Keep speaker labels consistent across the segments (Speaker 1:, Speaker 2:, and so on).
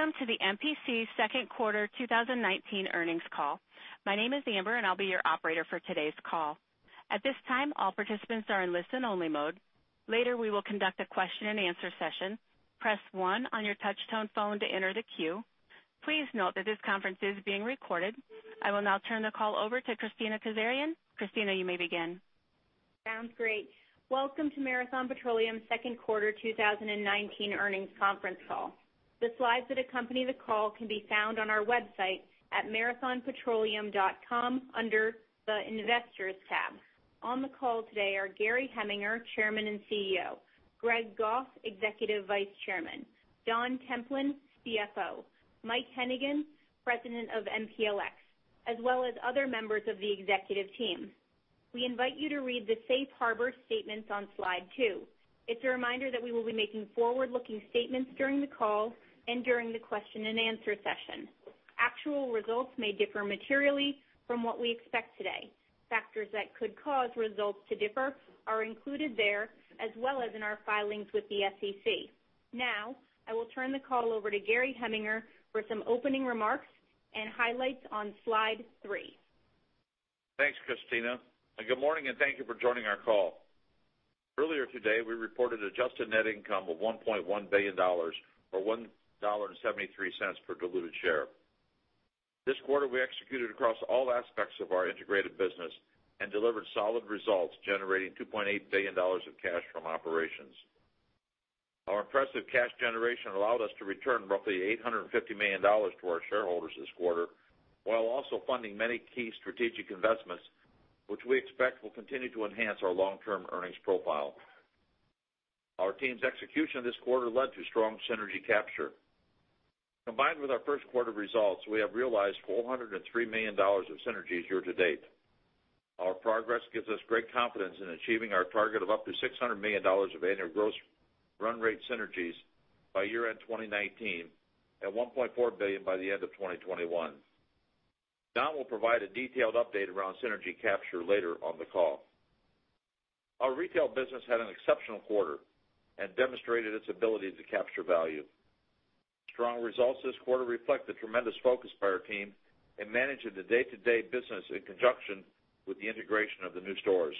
Speaker 1: Welcome to the MPC second quarter 2019 earnings call. My name is Amber and I'll be your operator for today's call. At this time, all participants are in listen-only mode. Later, we will conduct a question-and-answer session. Press one on your touchtone phone to enter the queue. Please note that this conference is being recorded. I will now turn the call over to Kristina Kazarian. Kristina, you may begin.
Speaker 2: Sounds great. Welcome to Marathon Petroleum second quarter 2019 earnings conference call. The slides that accompany the call can be found on our website at marathonpetroleum.com under the Investors tab. On the call today are Gary Heminger, Chairman and CEO, Greg Goff, Executive Vice Chairman, Don Templin, CFO, Mike Hennigan, President of MPLX, as well as other members of the executive team. We invite you to read the safe harbor statements on slide two. It's a reminder that we will be making forward-looking statements during the call and during the question and answer session. Actual results may differ materially from what we expect today. Factors that could cause results to differ are included there, as well as in our filings with the SEC. I will turn the call over to Gary Heminger for some opening remarks and highlights on slide three.
Speaker 3: Thanks, Kristina, and good morning, and thank you for joining our call. Earlier today, we reported adjusted net income of $1.1 billion, or $1.73 per diluted share. This quarter, we executed across all aspects of our integrated business and delivered solid results, generating $2.8 billion of cash from operations. Our impressive cash generation allowed us to return roughly $850 million to our shareholders this quarter, while also funding many key strategic investments, which we expect will continue to enhance our long-term earnings profile. Our team's execution this quarter led to strong synergy capture. Combined with our first quarter results, we have realized $403 million of synergies year to date. Our progress gives us great confidence in achieving our target of up to $600 million of annual gross run rate synergies by year-end 2019, at $1.4 billion by the end of 2021. Don will provide a detailed update around synergy capture later on the call. Our retail business had an exceptional quarter and demonstrated its ability to capture value. Strong results this quarter reflect the tremendous focus by our team in managing the day-to-day business in conjunction with the integration of the new stores.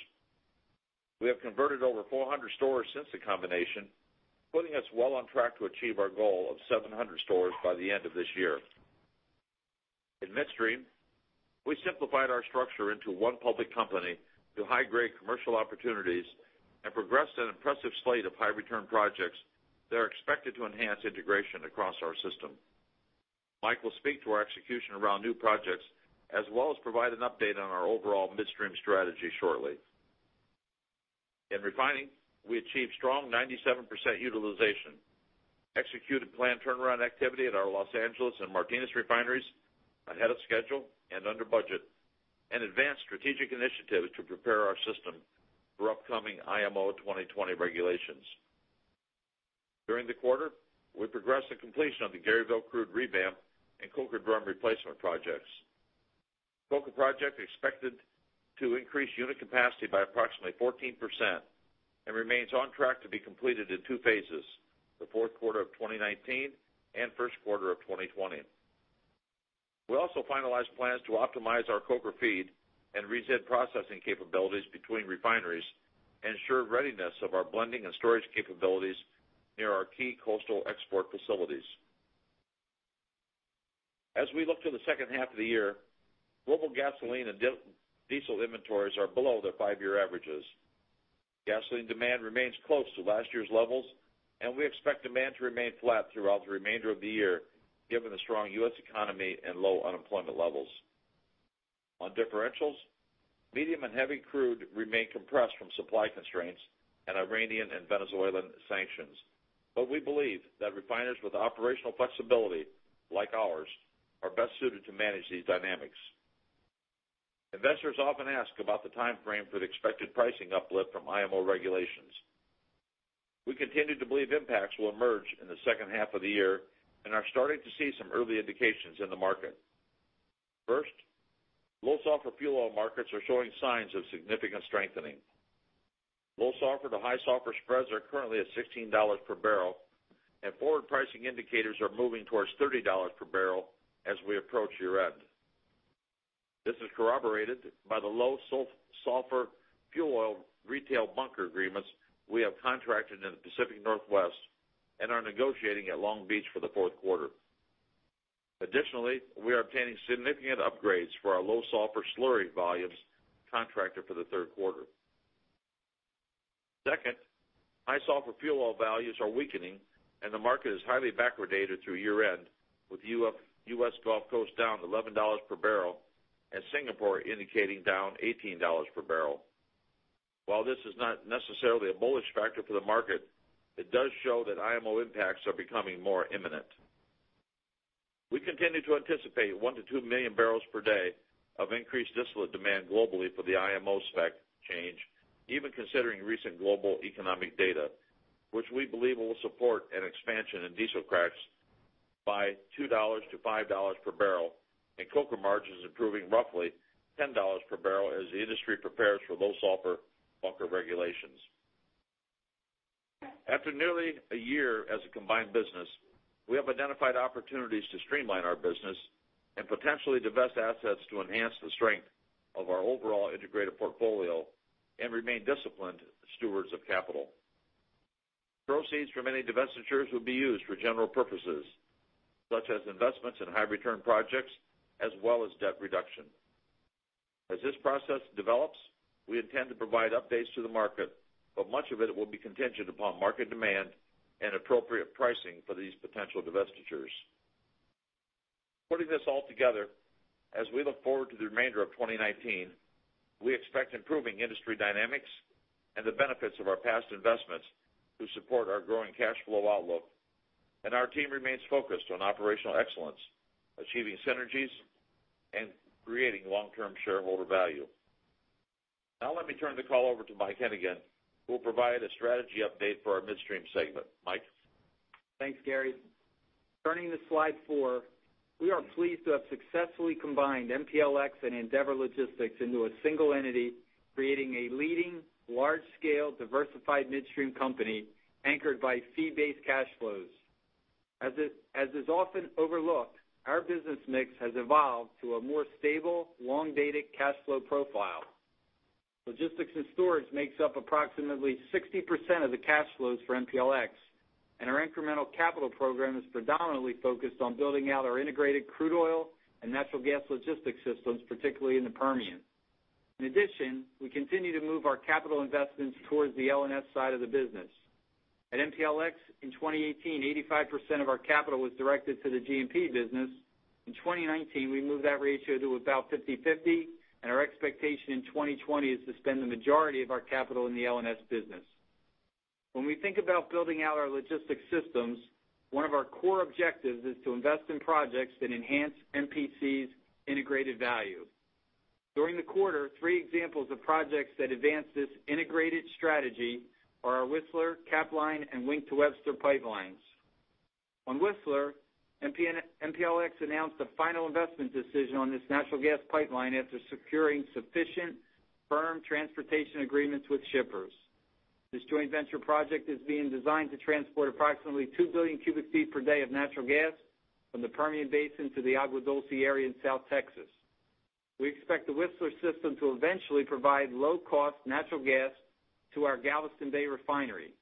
Speaker 3: We have converted over 400 stores since the combination, putting us well on track to achieve our goal of 700 stores by the end of this year. In midstream, we simplified our structure into one public company through high-grade commercial opportunities and progressed an impressive slate of high return projects that are expected to enhance integration across our system. Mike will speak to our execution around new projects as well as provide an update on our overall midstream strategy shortly. In refining, we achieved strong 97% utilization, executed planned turnaround activity at our Los Angeles and Martinez refineries ahead of schedule and under budget, and advanced strategic initiatives to prepare our system for upcoming IMO 2020 regulations. During the quarter, we progressed the completion of the Garyville crude revamp and coker drum replacement projects. Coker project expected to increase unit capacity by approximately 14% and remains on track to be completed in two phases, the fourth quarter of 2019 and first quarter of 2020. We also finalized plans to optimize our coker feed and reset processing capabilities between refineries and ensure readiness of our blending and storage capabilities near our key coastal export facilities. As we look to the second half of the year, global gasoline and diesel inventories are below their five-year averages. Gasoline demand remains close to last year's levels, and we expect demand to remain flat throughout the remainder of the year, given the strong U.S. economy and low unemployment levels. On differentials, medium and heavy crude remain compressed from supply constraints and Iranian and Venezuelan sanctions. We believe that refiners with operational flexibility like ours are best suited to manage these dynamics. Investors often ask about the timeframe for the expected pricing uplift from IMO regulations. We continue to believe impacts will emerge in the second half of the year and are starting to see some early indications in the market. First, low sulfur fuel oil markets are showing signs of significant strengthening. Low sulfur to high sulfur spreads are currently at $16 per barrel, and forward pricing indicators are moving towards $30 per barrel as we approach year-end. This is corroborated by the low sulfur fuel oil retail bunker agreements we have contracted in the Pacific Northwest and are negotiating at Long Beach for the fourth quarter. Additionally, we are obtaining significant upgrades for our low sulfur slurry volumes contracted for the third quarter. Second, high sulfur fuel oil values are weakening, and the market is highly backwardated through year end, with U.S. Gulf Coast down $11 per barrel and Singapore indicating down $18 per barrel. While this is not necessarily a bullish factor for the market, it does show that IMO impacts are becoming more imminent. We continue to anticipate 1 million-2 million barrels per day of increased distillate demand globally for the IMO spec change, even considering recent global economic data, which we believe will support an expansion in diesel cracks by $2-$5 per barrel and coker margins improving roughly $10 per barrel as the industry prepares for low sulfur bunker regulations. After nearly a year as a combined business, we have identified opportunities to streamline our business and potentially divest assets to enhance the strength of our overall integrated portfolio and remain disciplined stewards of capital. Proceeds from any divestitures will be used for general purposes, such as investments in high return projects, as well as debt reduction. As this process develops, we intend to provide updates to the market, but much of it will be contingent upon market demand and appropriate pricing for these potential divestitures. Putting this all together, as we look forward to the remainder of 2019, we expect improving industry dynamics and the benefits of our past investments to support our growing cash flow outlook. Our team remains focused on operational excellence, achieving synergies, and creating long-term shareholder value. Now let me turn the call over to Mike Hennigan, who will provide a strategy update for our midstream segment. Mike?
Speaker 4: Thanks, Gary. Turning to slide four, we are pleased to have successfully combined MPLX and Andeavor Logistics into a single entity, creating a leading large-scale diversified midstream company anchored by fee-based cash flows. As is often overlooked, our business mix has evolved to a more stable, long-dated cash flow profile. Logistics & Storage makes up approximately 60% of the cash flows for MPLX, and our incremental capital program is predominantly focused on building out our integrated crude oil and natural gas logistics systems, particularly in the Permian. In addition, we continue to move our capital investments towards the L&S side of the business. At MPLX in 2018, 85% of our capital was directed to the G&P business. In 2019, we moved that ratio to about 50/50. Our expectation in 2020 is to spend the majority of our capital in the L&S business. When we think about building out our logistics systems, one of our core objectives is to invest in projects that enhance MPC's integrated value. During the quarter, three examples of projects that advanced this integrated strategy are our Whistler, Capline, and Wink to Webster pipelines. On Whistler, MPLX announced the final investment decision on this natural gas pipeline after securing sufficient firm transportation agreements with shippers. This joint venture project is being designed to transport approximately two billion cubic feet per day of natural gas from the Permian Basin to the Agua Dulce area in South Texas. We expect the Whistler system to eventually provide low-cost natural gas to our Galveston Bay refinery.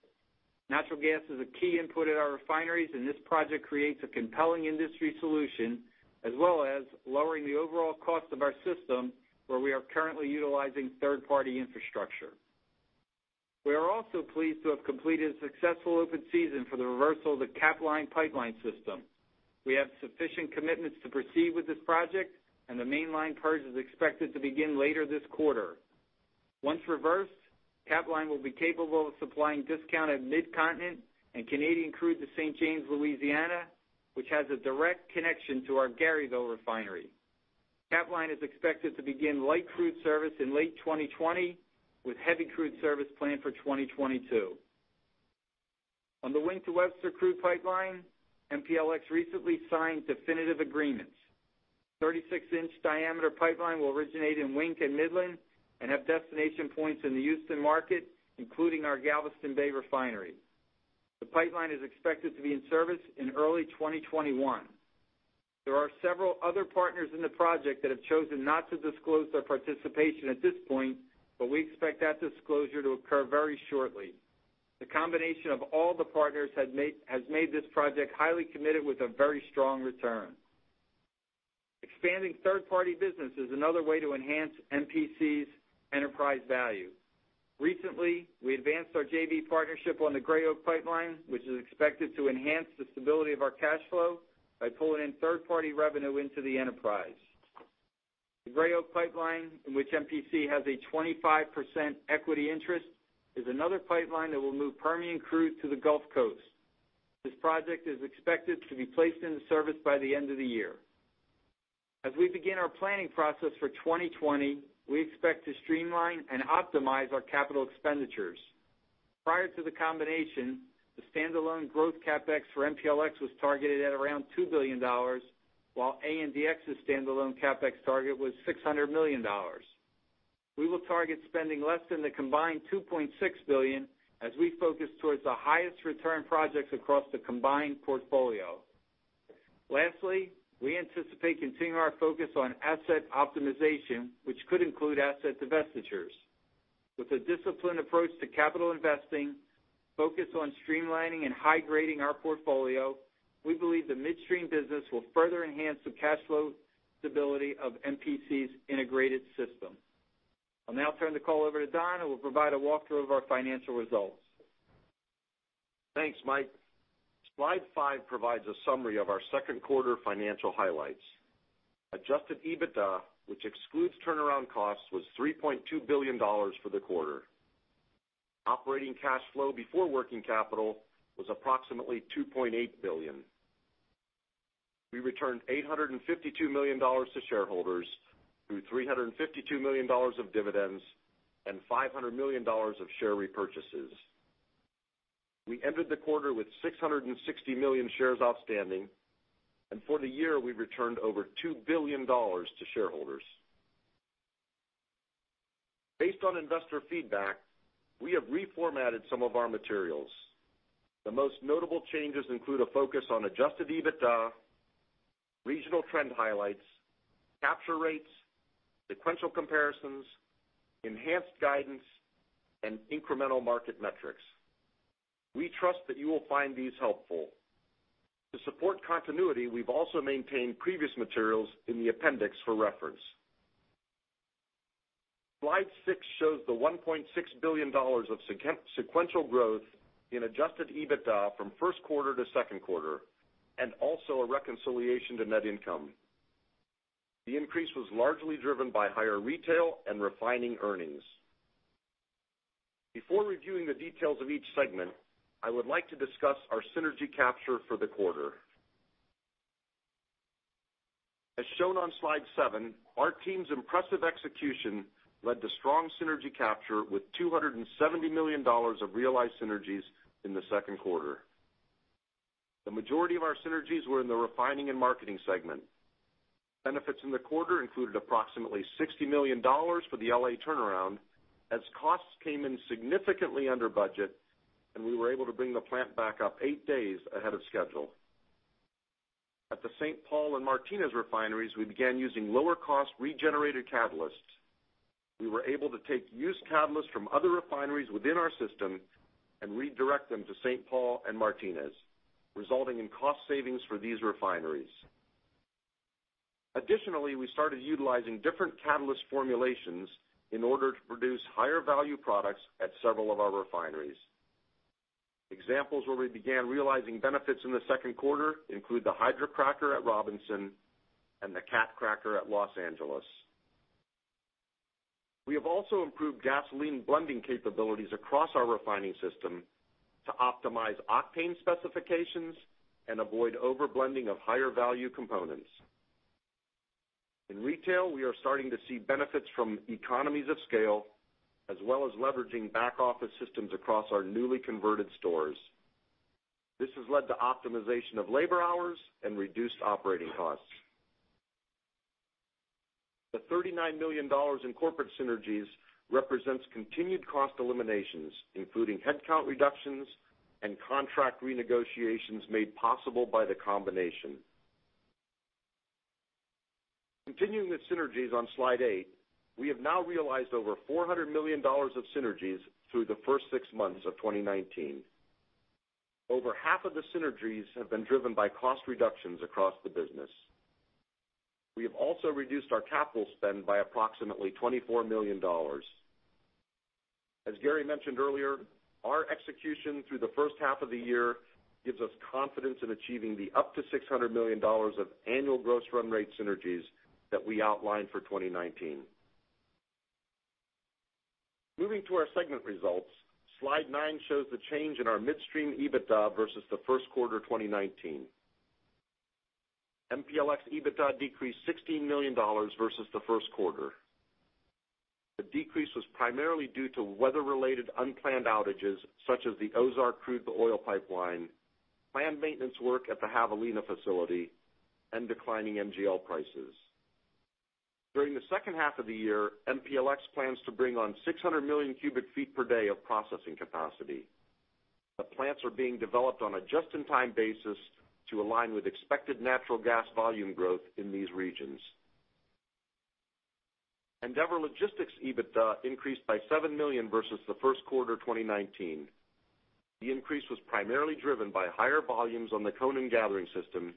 Speaker 4: Natural gas is a key input at our refineries, and this project creates a compelling industry solution as well as lowering the overall cost of our system, where we are currently utilizing third-party infrastructure. We are also pleased to have completed a successful open season for the reversal of the Capline pipeline system. We have sufficient commitments to proceed with this project, and the mainline purge is expected to begin later this quarter. Once reversed, Capline will be capable of supplying discounted Midcontinent and Canadian crude to St. James, Louisiana, which has a direct connection to our Garyville refinery. Capline is expected to begin light crude service in late 2020 with heavy crude service planned for 2022. On the Wink to Webster crude pipeline, MPLX recently signed definitive agreements. A 36-inch diameter pipeline will originate in Wink and Midland and have destination points in the Houston market, including our Galveston Bay refinery. The pipeline is expected to be in service in early 2021. There are several other partners in the project that have chosen not to disclose their participation at this point, but we expect that disclosure to occur very shortly. The combination of all the partners has made this project highly committed with a very strong return. Expanding third-party business is another way to enhance MPC's enterprise value. Recently, we advanced our JV partnership on the Gray Oak pipeline, which is expected to enhance the stability of our cash flow by pulling in third-party revenue into the enterprise. The Gray Oak pipeline, in which MPC has a 25% equity interest, is another pipeline that will move Permian crude to the Gulf Coast. This project is expected to be placed into service by the end of the year. As we begin our planning process for 2020, we expect to streamline and optimize our capital expenditures. Prior to the combination, the standalone growth CapEx for MPLX was targeted at around $2 billion, while ANDX's standalone CapEx target was $600 million. We will target spending less than the combined $2.6 billion as we focus towards the highest return projects across the combined portfolio. We anticipate continuing our focus on asset optimization, which could include asset divestitures. With a disciplined approach to capital investing, focus on streamlining and high-grading our portfolio, we believe the midstream business will further enhance the cash flow stability of MPC's integrated system. I'll now turn the call over to Don, who will provide a walkthrough of our financial results.
Speaker 5: Thanks, Mike. Slide five provides a summary of our second quarter financial highlights. Adjusted EBITDA, which excludes turnaround costs, was $3.2 billion for the quarter. Operating cash flow before working capital was approximately $2.8 billion. We returned $852 million to shareholders through $352 million of dividends and $500 million of share repurchases. We entered the quarter with 660 million shares outstanding. For the year, we've returned over $2 billion to shareholders. Based on investor feedback, we have reformatted some of our materials. The most notable changes include a focus on adjusted EBITDA, regional trend highlights, capture rates, sequential comparisons, enhanced guidance, and incremental market metrics. We trust that you will find these helpful. To support continuity, we've also maintained previous materials in the appendix for reference. Slide six shows the $1.6 billion of sequential growth in adjusted EBITDA from first quarter to second quarter, and also a reconciliation to net income. The increase was largely driven by higher retail and refining earnings. Before reviewing the details of each segment, I would like to discuss our synergy capture for the quarter. As shown on slide seven, our team's impressive execution led to strong synergy capture with $270 million of realized synergies in the second quarter. The majority of our synergies were in the Refining & Marketing segment. Benefits in the quarter included approximately $60 million for the L.A. turnaround as costs came in significantly under budget, and we were able to bring the plant back up eight days ahead of schedule. At the St. Paul and Martinez refineries, we began using lower-cost regenerated catalysts. We were able to take used catalysts from other refineries within our system and redirect them to St. Paul and Martinez, resulting in cost savings for these refineries. Additionally, we started utilizing different catalyst formulations in order to produce higher value products at several of our refineries. Examples where we began realizing benefits in the second quarter include the hydrocracker at Robinson and the cat cracker at Los Angeles. We have also improved gasoline blending capabilities across our refining system to optimize octane specifications and avoid over-blending of higher value components. In retail, we are starting to see benefits from economies of scale, as well as leveraging back-office systems across our newly converted stores. This has led to optimization of labor hours and reduced operating costs. The $39 million in corporate synergies represents continued cost eliminations, including headcount reductions and contract renegotiations made possible by the combination. Continuing with synergies on slide eight, we have now realized over $400 million of synergies through the first six months of 2019. Over half of the synergies have been driven by cost reductions across the business. We have also reduced our capital spend by approximately $24 million. As Gary mentioned earlier, our execution through the first half of the year gives us confidence in achieving the up to $600 million of annual gross run rate synergies that we outlined for 2019. Moving to our segment results, Slide nine shows the change in our midstream EBITDA versus the first quarter 2019. MPLX EBITDA decreased $16 million versus the first quarter. The decrease was primarily due to weather-related unplanned outages such as the Ozark crude oil pipeline, planned maintenance work at the Javelina facility, and declining NGL prices. During the second half of the year, MPLX plans to bring on 600 million cubic feet per day of processing capacity. The plants are being developed on a just-in-time basis to align with expected natural gas volume growth in these regions. Andeavor Logistics EBITDA increased by $7 million versus the first quarter 2019. The increase was primarily driven by higher volumes on the Conan Gathering system,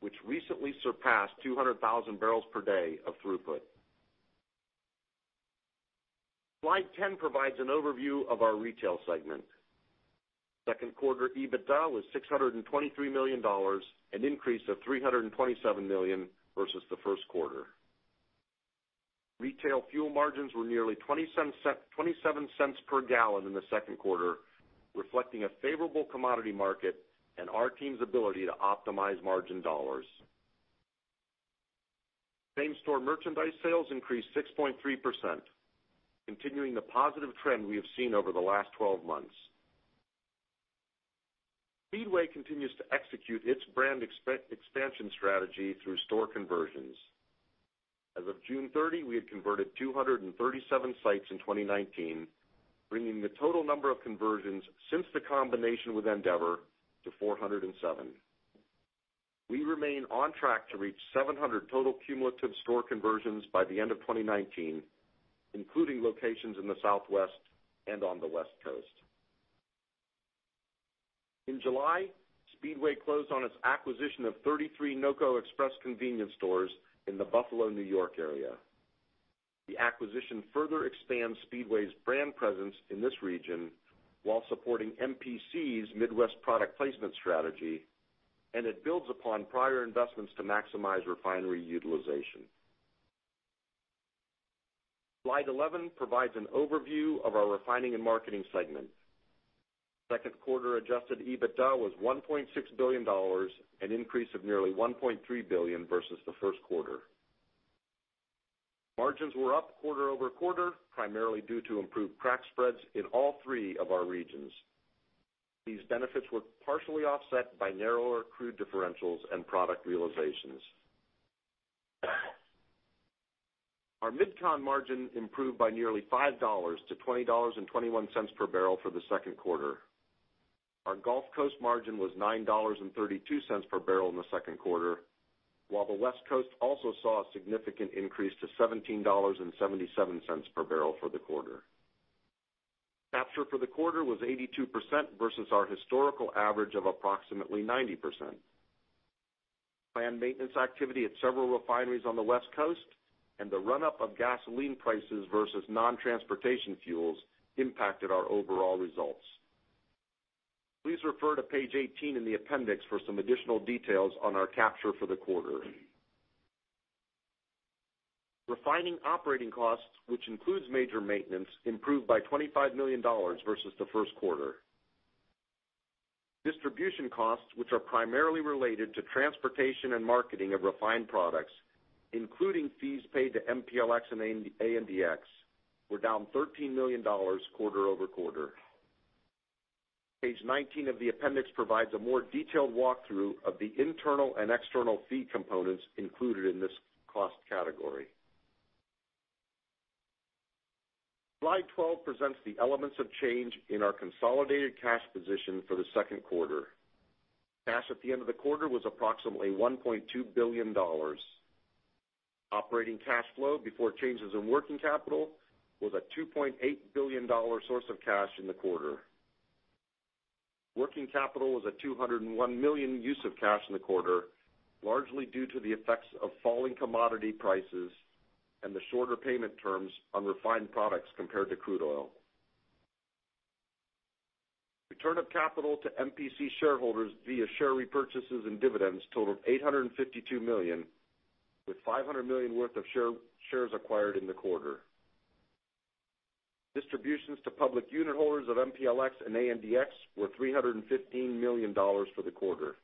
Speaker 5: which recently surpassed 200,000 barrels per day of throughput. Slide 10 provides an overview of our retail segment. Second quarter EBITDA was $623 million, an increase of $327 million versus the first quarter. Retail fuel margins were nearly $0.27 per gallon in the second quarter, reflecting a favorable commodity market and our team's ability to optimize margin dollars. Same-store merchandise sales increased 6.3%, continuing the positive trend we have seen over the last 12 months. Speedway continues to execute its brand expansion strategy through store conversions. As of June 30, we had converted 237 sites in 2019, bringing the total number of conversions since the combination with Andeavor to 407. We remain on track to reach 700 total cumulative store conversions by the end of 2019, including locations in the Southwest and on the West Coast. In July, Speedway closed on its acquisition of 33 NOCO Express convenience stores in the Buffalo, New York area. The acquisition further expands Speedway's brand presence in this region while supporting MPC's Midwest product placement strategy. It builds upon prior investments to maximize refinery utilization. Slide 11 provides an overview of our Refining & Marketing segment. Second quarter adjusted EBITDA was $1.6 billion, an increase of nearly $1.3 billion versus the first quarter. Margins were up quarter-over-quarter, primarily due to improved crack spreads in all three of our regions. These benefits were partially offset by narrower crude differentials and product realizations. Our MidCon margin improved by nearly $5-$20.21 per barrel for the Second quarter. Our Gulf Coast margin was $9.32 per barrel in the Second quarter, while the West Coast also saw a significant increase to $17.77 per barrel for the quarter. Capture for the quarter was 82% versus our historical average of approximately 90%. Planned maintenance activity at several refineries on the West Coast and the run-up of gasoline prices versus non-transportation fuels impacted our overall results. Please refer to page 18 in the appendix for some additional details on our capture for the quarter. Refining operating costs, which includes major maintenance, improved by $25 million versus the first quarter. Distribution costs, which are primarily related to transportation and marketing of refined products, including fees paid to MPLX and ANDX, were down $13 million quarter-over-quarter. Page 19 of the appendix provides a more detailed walkthrough of the internal and external fee components included in this cost category. Slide 12 presents the elements of change in our consolidated cash position for the second quarter. Cash at the end of the quarter was approximately $1.2 billion. Operating cash flow before changes in working capital was a $2.8 billion source of cash in the quarter. Working capital was a $201 million use of cash in the quarter, largely due to the effects of falling commodity prices and the shorter payment terms on refined products compared to crude oil. Return of capital to MPC shareholders via share repurchases and dividends totaled $852 million, with $500 million worth of shares acquired in the quarter. Distributions to public unit holders of MPLX and ANDX were $315 million for the quarter.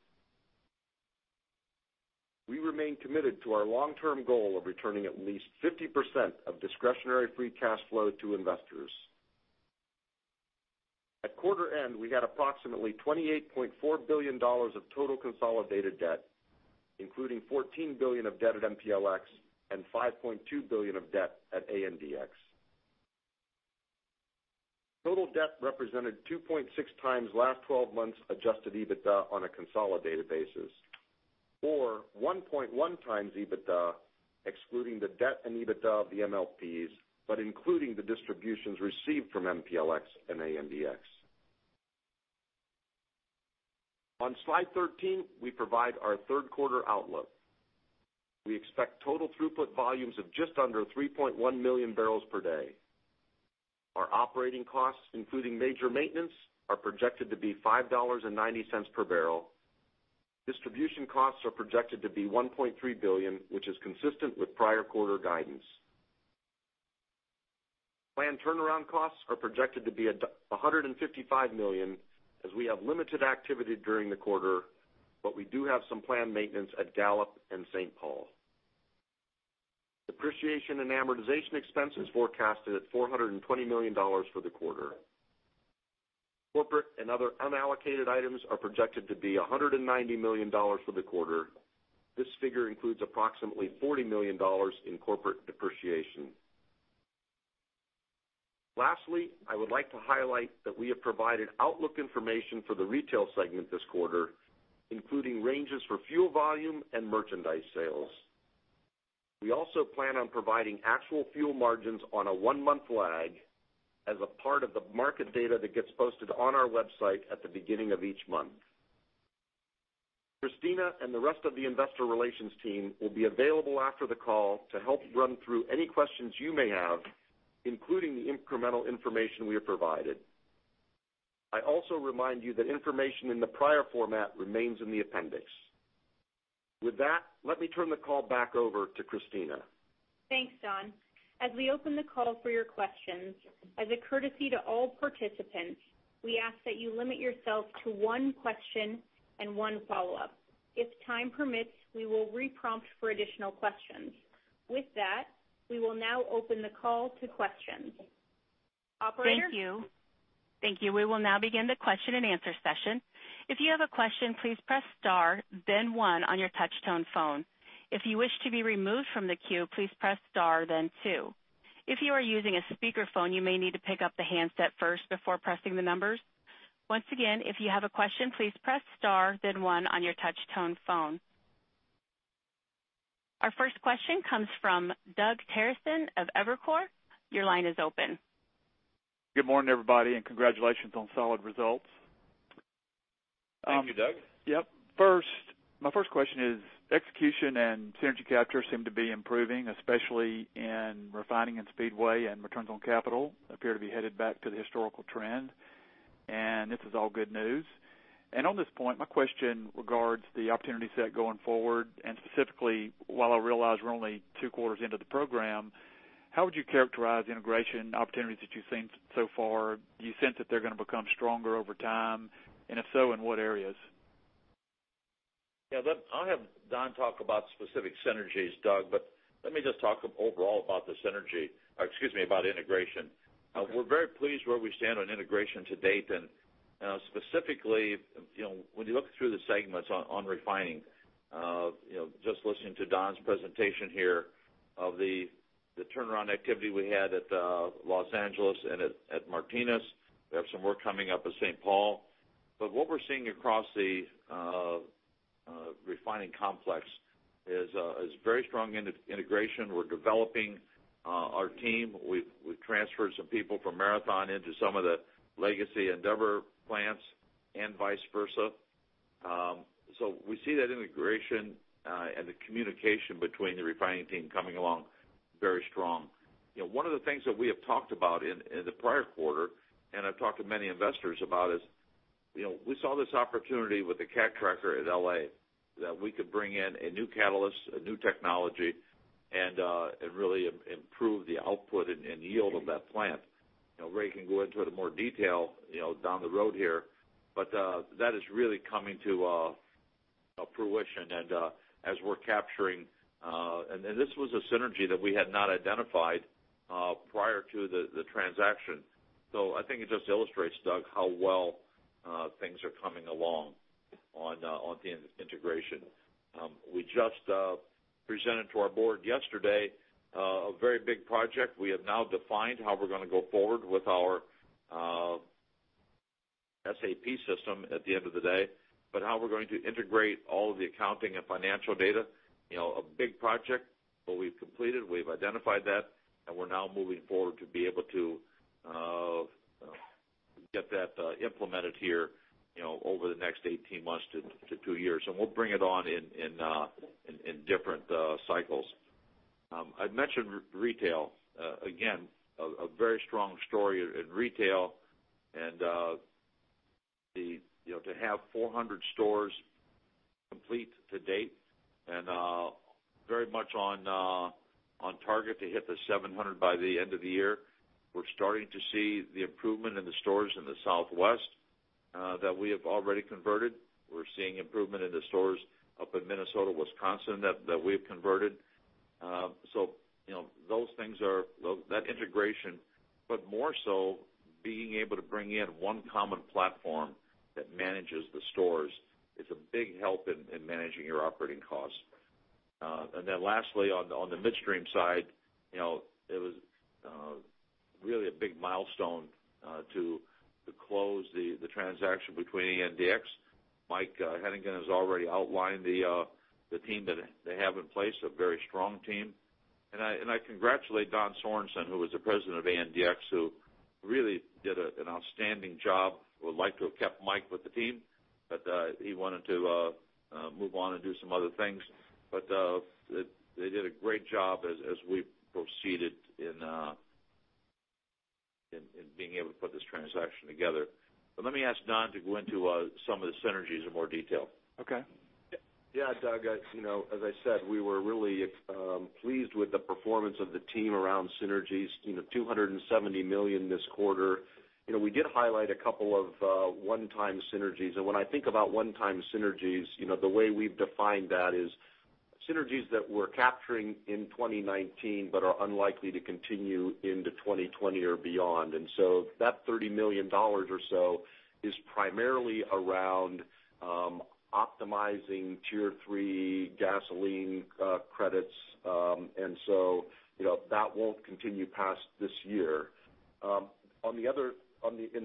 Speaker 5: We remain committed to our long-term goal of returning at least 50% of discretionary free cash flow to investors. At quarter end, we had approximately $28.4 billion of total consolidated debt, including $14 billion of debt at MPLX and $5.2 billion of debt at ANDX. Total debt represented 2.6 times last 12 months adjusted EBITDA on a consolidated basis, or 1.1 times EBITDA, excluding the debt and EBITDA of the MLPs, but including the distributions received from MPLX and ANDX. On slide 13, we provide our third quarter outlook. We expect total throughput volumes of just under 3.1 million barrels per day. Our operating costs, including major maintenance, are projected to be $5.90 per barrel. Distribution costs are projected to be $1.3 billion, which is consistent with prior quarter guidance. Planned turnaround costs are projected to be $155 million as we have limited activity during the quarter, but we do have some planned maintenance at Gallup and St. Paul. Depreciation and amortization expense is forecasted at $420 million for the quarter. Corporate and other unallocated items are projected to be $190 million for the quarter. This figure includes approximately $40 million in corporate depreciation. Lastly, I would like to highlight that we have provided outlook information for the retail segment this quarter, including ranges for fuel volume and merchandise sales. We also plan on providing actual fuel margins on a one-month lag as a part of the market data that gets posted on our website at the beginning of each month. Kristina and the rest of the investor relations team will be available after the call to help run through any questions you may have, including the incremental information we have provided. I also remind you that information in the prior format remains in the appendix. With that, let me turn the call back over to Kristina.
Speaker 2: Thanks, Don. As we open the call for your questions, as a courtesy to all participants, we ask that you limit yourself to one question and one follow-up. If time permits, we will re-prompt for additional questions. With that, we will now open the call to questions. Operator?
Speaker 1: Thank you. We will now begin the question-and-answer session. If you have a question, please press star then one on your touch tone phone. If you wish to be removed from the queue, please press star then two. If you are using a speakerphone, you may need to pick up the handset first before pressing the numbers. Once again, if you have a question, please press star then one on your touch tone phone. Our first question comes from Doug Terreson of Evercore. Your line is open.
Speaker 6: Good morning, everybody, and congratulations on solid results.
Speaker 3: Thank you, Doug.
Speaker 6: Yep. My first question is execution and synergy capture seem to be improving, especially in refining and Speedway, and returns on capital appear to be headed back to the historical trend. This is all good news. On this point, my question regards the opportunity set going forward and specifically, while I realize we're only two quarters into the program, how would you characterize integration opportunities that you've seen so far? Do you sense that they're going to become stronger over time, and if so, in what areas?
Speaker 3: Yeah. I'll have Don talk about specific synergies, Doug, but let me just talk overall about integration.
Speaker 6: Okay.
Speaker 3: We're very pleased where we stand on integration to date, and specifically, when you look through the segments on refining, just listening to Don's presentation here of the turnaround activity we had at Los Angeles and at Martinez. We have some work coming up at St. Paul. What we're seeing across the refining complex is very strong integration. We're developing our team. We've transferred some people from Marathon into some of the legacy Andeavor plants and vice versa. We see that integration and the communication between the refining team coming along very strong. One of the things that we have talked about in the prior quarter, and I've talked to many investors about is, we saw this opportunity with the cat cracker at L.A., that we could bring in a new catalyst, a new technology, and really improve the output and yield of that plant. Ray can go into it in more detail down the road here. That is really coming to fruition and as we're capturing, and this was a synergy that we had not identified prior to the transaction. I think it just illustrates, Doug, how well things are coming along on the integration. We just presented to our board yesterday a very big project. We have now defined how we're going to go forward with our SAP system at the end of the day. How we're going to integrate all of the accounting and financial data, a big project, but we've completed, we've identified that, and we're now moving forward to be able to get that implemented here over the next 18 months to two years. We'll bring it on in different cycles. I mentioned retail. A very strong story in retail and to have 400 stores complete to date and very much on target to hit the 700 by the end of the year. We're starting to see the improvement in the stores in the Southwest that we have already converted. We're seeing improvement in the stores up in Minnesota, Wisconsin, that we've converted. Those things that integration, but more so being able to bring in one common platform that manages the stores is a big help in managing your operating costs. Lastly, on the midstream side, it was really a big milestone to close the transaction between ANDX. Mike Hennigan has already outlined the team that they have in place, a very strong team. I congratulate Don Sorensen, who was the president of ANDX, who really did an outstanding job. Would like to have kept Mike with the team, but he wanted to move on and do some other things. They did a great job as we proceeded in being able to put this transaction together. Let me ask Don to go into some of the synergies in more detail.
Speaker 6: Okay.
Speaker 5: Yeah, Doug, as I said, we were really pleased with the performance of the team around synergies, $270 million this quarter. We did highlight a couple of one-time synergies. When I think about one-time synergies, the way we've defined that is synergies that we're capturing in 2019, but are unlikely to continue into 2020 or beyond. That $30 million or so is primarily around optimizing Tier 3 gasoline credits. That won't continue past this year. In the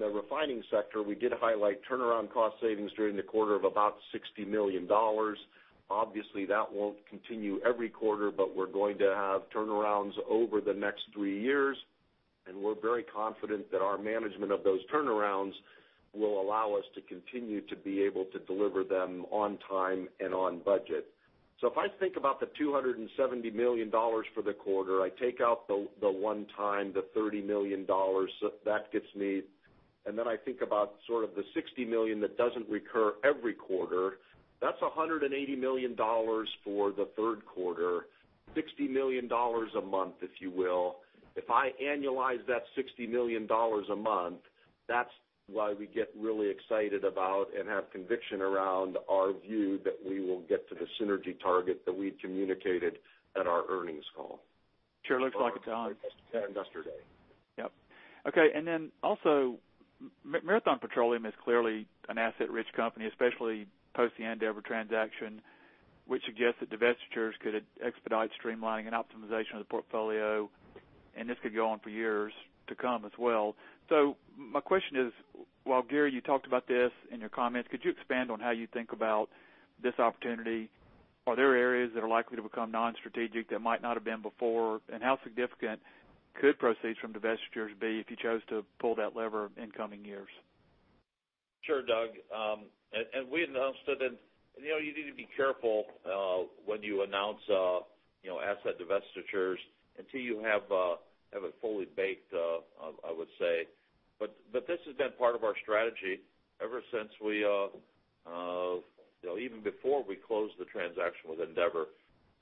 Speaker 5: refining sector, we did highlight turnaround cost savings during the quarter of about $60 million. Obviously, that won't continue every quarter, but we're going to have turnarounds over the next three years, and we're very confident that our management of those turnarounds will allow us to continue to be able to deliver them on time and on budget. If I think about the $270 million for the quarter, I take out the one-time $30 million. Then I think about sort of the $60 million that doesn't recur every quarter. That's $180 million for the third quarter, $60 million a month, if you will. If I annualize that $60 million a month, that's why we get really excited about and have conviction around our view that we will get to the synergy target that we communicated at our earnings call.
Speaker 6: Sure looks like it, Don.
Speaker 5: At Investor Day.
Speaker 6: Yep. Okay. Also, Marathon Petroleum is clearly an asset-rich company, especially post the Andeavor transaction, which suggests that divestitures could expedite streamlining and optimization of the portfolio, and this could go on for years to come as well. My question is, while Gary, you talked about this in your comments, could you expand on how you think about this opportunity? Are there areas that are likely to become non-strategic that might not have been before? How significant could proceeds from divestitures be if you chose to pull that lever in coming years?
Speaker 3: Sure, Doug. We announced it. You need to be careful when you announce asset divestitures until you have it fully baked, I would say. This has been part of our strategy ever since even before we closed the transaction with Andeavor.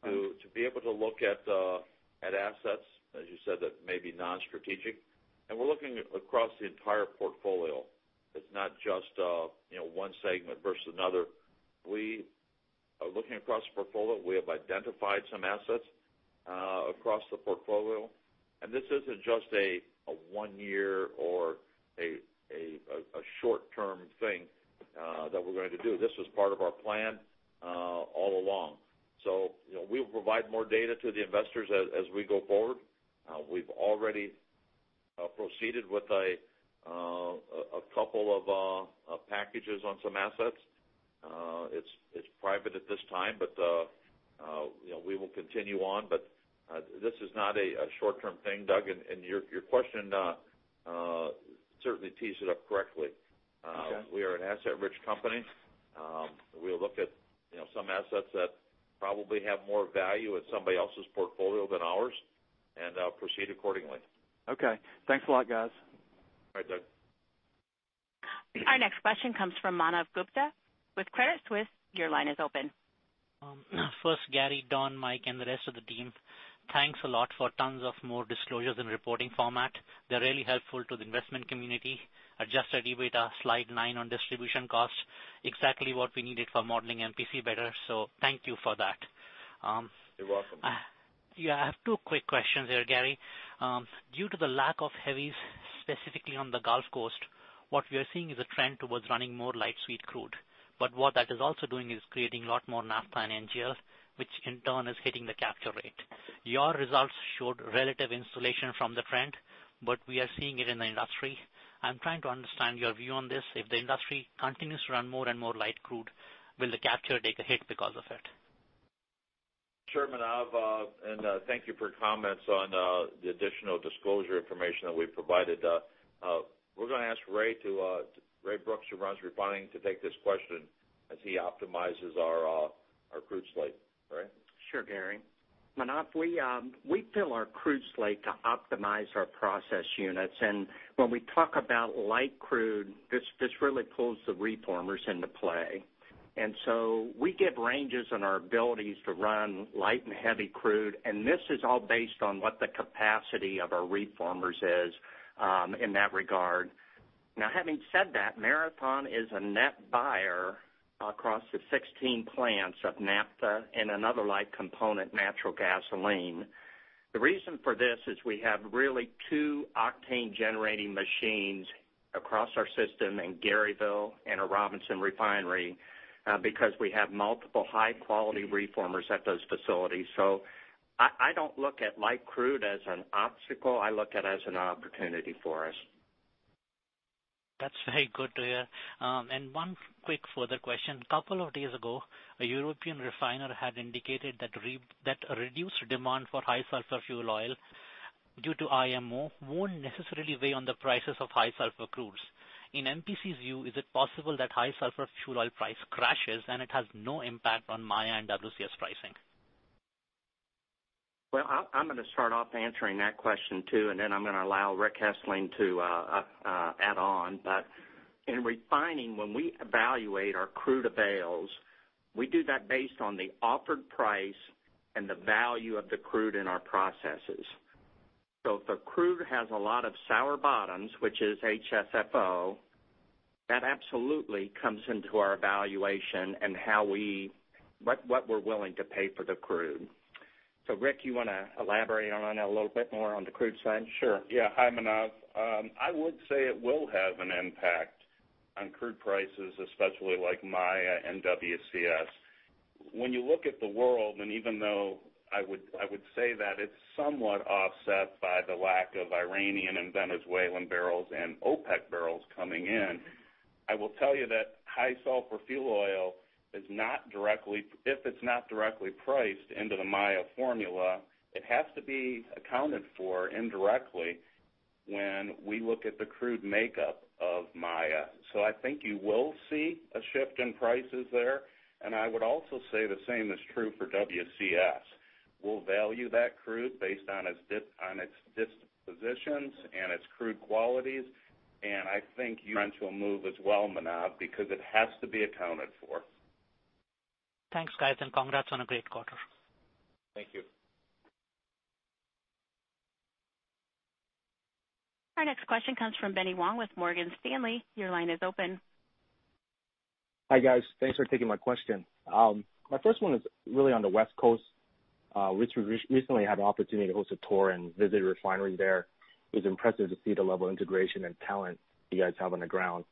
Speaker 3: To be able to look at assets, as you said, that may be non-strategic, and we're looking across the entire portfolio. It's not just one segment versus another. We are looking across the portfolio. We have identified some assets across the portfolio, and this isn't just a one year or a short-term thing that we're going to do. This was part of our plan all along. We'll provide more data to the investors as we go forward. We've already proceeded with a couple of packages on some assets. It's private at this time, but we will continue on. This is not a short-term thing, Doug, and your question certainly tees it up correctly.
Speaker 6: Okay.
Speaker 3: We are an asset-rich company. We'll look at some assets that probably have more value in somebody else's portfolio than ours and proceed accordingly.
Speaker 6: Okay. Thanks a lot, guys.
Speaker 3: All right, Doug.
Speaker 1: Our next question comes from Manav Gupta with Credit Suisse. Your line is open.
Speaker 7: First, Gary, Don, Mike, and the rest of the team, thanks a lot for tons of more disclosures and reporting format. They're really helpful to the investment community. Adjusted EBITDA, slide nine on distribution costs, exactly what we needed for modeling MPC better, so thank you for that.
Speaker 3: You're welcome.
Speaker 7: Yeah, I have two quick questions here, Gary. Due to the lack of heavies, specifically on the Gulf Coast, what we are seeing is a trend towards running more light sweet crude. What that is also doing is creating a lot more naphtha and NGL, which in turn is hitting the capture rate. Your results showed relative insulation from the trend, but we are seeing it in the industry. I'm trying to understand your view on this. If the industry continues to run more and more light crude, will the capture take a hit because of it?
Speaker 3: Sure, Manav, and thank you for your comments on the additional disclosure information that we've provided. We're going to ask Ray Brooks, who runs refining, to take this question as he optimizes our crude slate. Ray?
Speaker 8: Sure, Gary. Manav, we fill our crude slate to optimize our process units. When we talk about light crude, this really pulls the reformers into play. We give ranges on our abilities to run light and heavy crude, and this is all based on what the capacity of our reformers is in that regard. Now, having said that, Marathon is a net buyer across the 16 plants of naphtha and another light component, natural gasoline. The reason for this is we have really two octane-generating machines across our system in Garyville and our Robinson refinery because we have multiple high-quality reformers at those facilities. I don't look at light crude as an obstacle. I look at it as an opportunity for us.
Speaker 7: That's very good to hear. One quick further question. A couple of days ago, a European refiner had indicated that a reduced demand for high sulfur fuel oil due to IMO won't necessarily weigh on the prices of high sulfur crudes. In MPC's view, is it possible that high sulfur fuel oil price crashes, and it has no impact on Maya and WCS pricing?
Speaker 8: I'm going to start off answering that question, too, and then I'm going to allow Rick Hessling to add on. In refining, when we evaluate our crude avails, we do that based on the offered price and the value of the crude in our processes. If the crude has a lot of sour bottoms, which is HSFO, that absolutely comes into our evaluation and what we're willing to pay for the crude. Rick, you want to elaborate on that a little bit more on the crude side?
Speaker 9: Sure. Yeah. Hi, Manav. I would say it will have an impact on crude prices, especially like Maya and WCS. When you look at the world, and even though I would say that it's somewhat offset by the lack of Iranian and Venezuelan barrels and OPEC barrels coming in, I will tell you that high sulfur fuel oil, if it's not directly priced into the Maya formula, it has to be accounted for indirectly when we look at the crude makeup of Maya. I think you will see a shift in prices there, and I would also say the same is true for WCS. We'll value that crude based on its dispositions and its crude qualities, and I think rents will move as well, Manav, because it has to be accounted for.
Speaker 7: Thanks, guys, and congrats on a great quarter.
Speaker 3: Thank you.
Speaker 1: Our next question comes from Benny Wong with Morgan Stanley. Your line is open.
Speaker 10: Hi, guys. Thanks for taking my question. My first one is really on the West Coast. Recently had the opportunity to host a tour and visit a refinery there. It was impressive to see the level of integration and talent you guys have on the ground.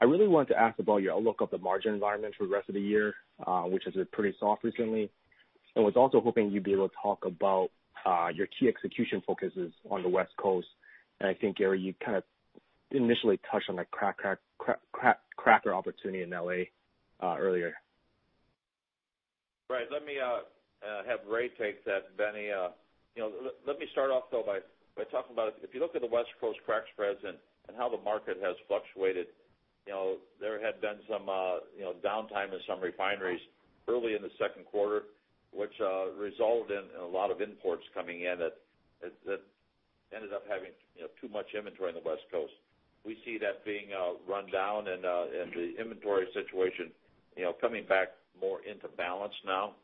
Speaker 10: I really wanted to ask about your outlook of the margin environment for the rest of the year, which has been pretty soft recently, and was also hoping you'd be able to talk about your key execution focuses on the West Coast. I think, Gary, you kind of initially touched on the cracker opportunity in L.A. earlier.
Speaker 3: Right. Let me have Ray take that, Benny. Let me start off, though, by talking about if you look at the West Coast crack spreads and how the market has fluctuated, there had been some downtime in some refineries early in the second quarter, which resulted in a lot of imports coming in. Ended up having too much inventory on the West Coast. We see that being run down and the inventory situation coming back more into balance now.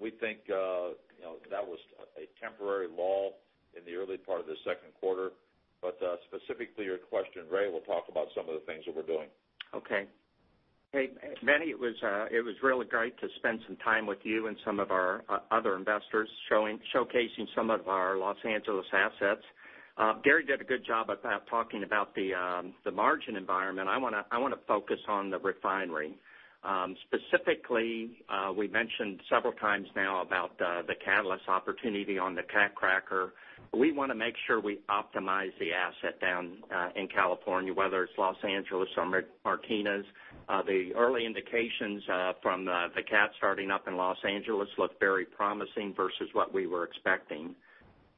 Speaker 3: We think that was a temporary lull in the early part of the second quarter. Specifically your question, Ray will talk about some of the things that we're doing.
Speaker 8: Hey, Benny, it was really great to spend some time with you and some of our other investors showcasing some of our Los Angeles assets. Gary did a good job about talking about the margin environment. I want to focus on the refinery. Specifically, we mentioned several times now about the catalyst opportunity on the cat cracker. We want to make sure we optimize the asset down in California, whether it's Los Angeles or Martinez. The early indications from the cat starting up in Los Angeles look very promising versus what we were expecting.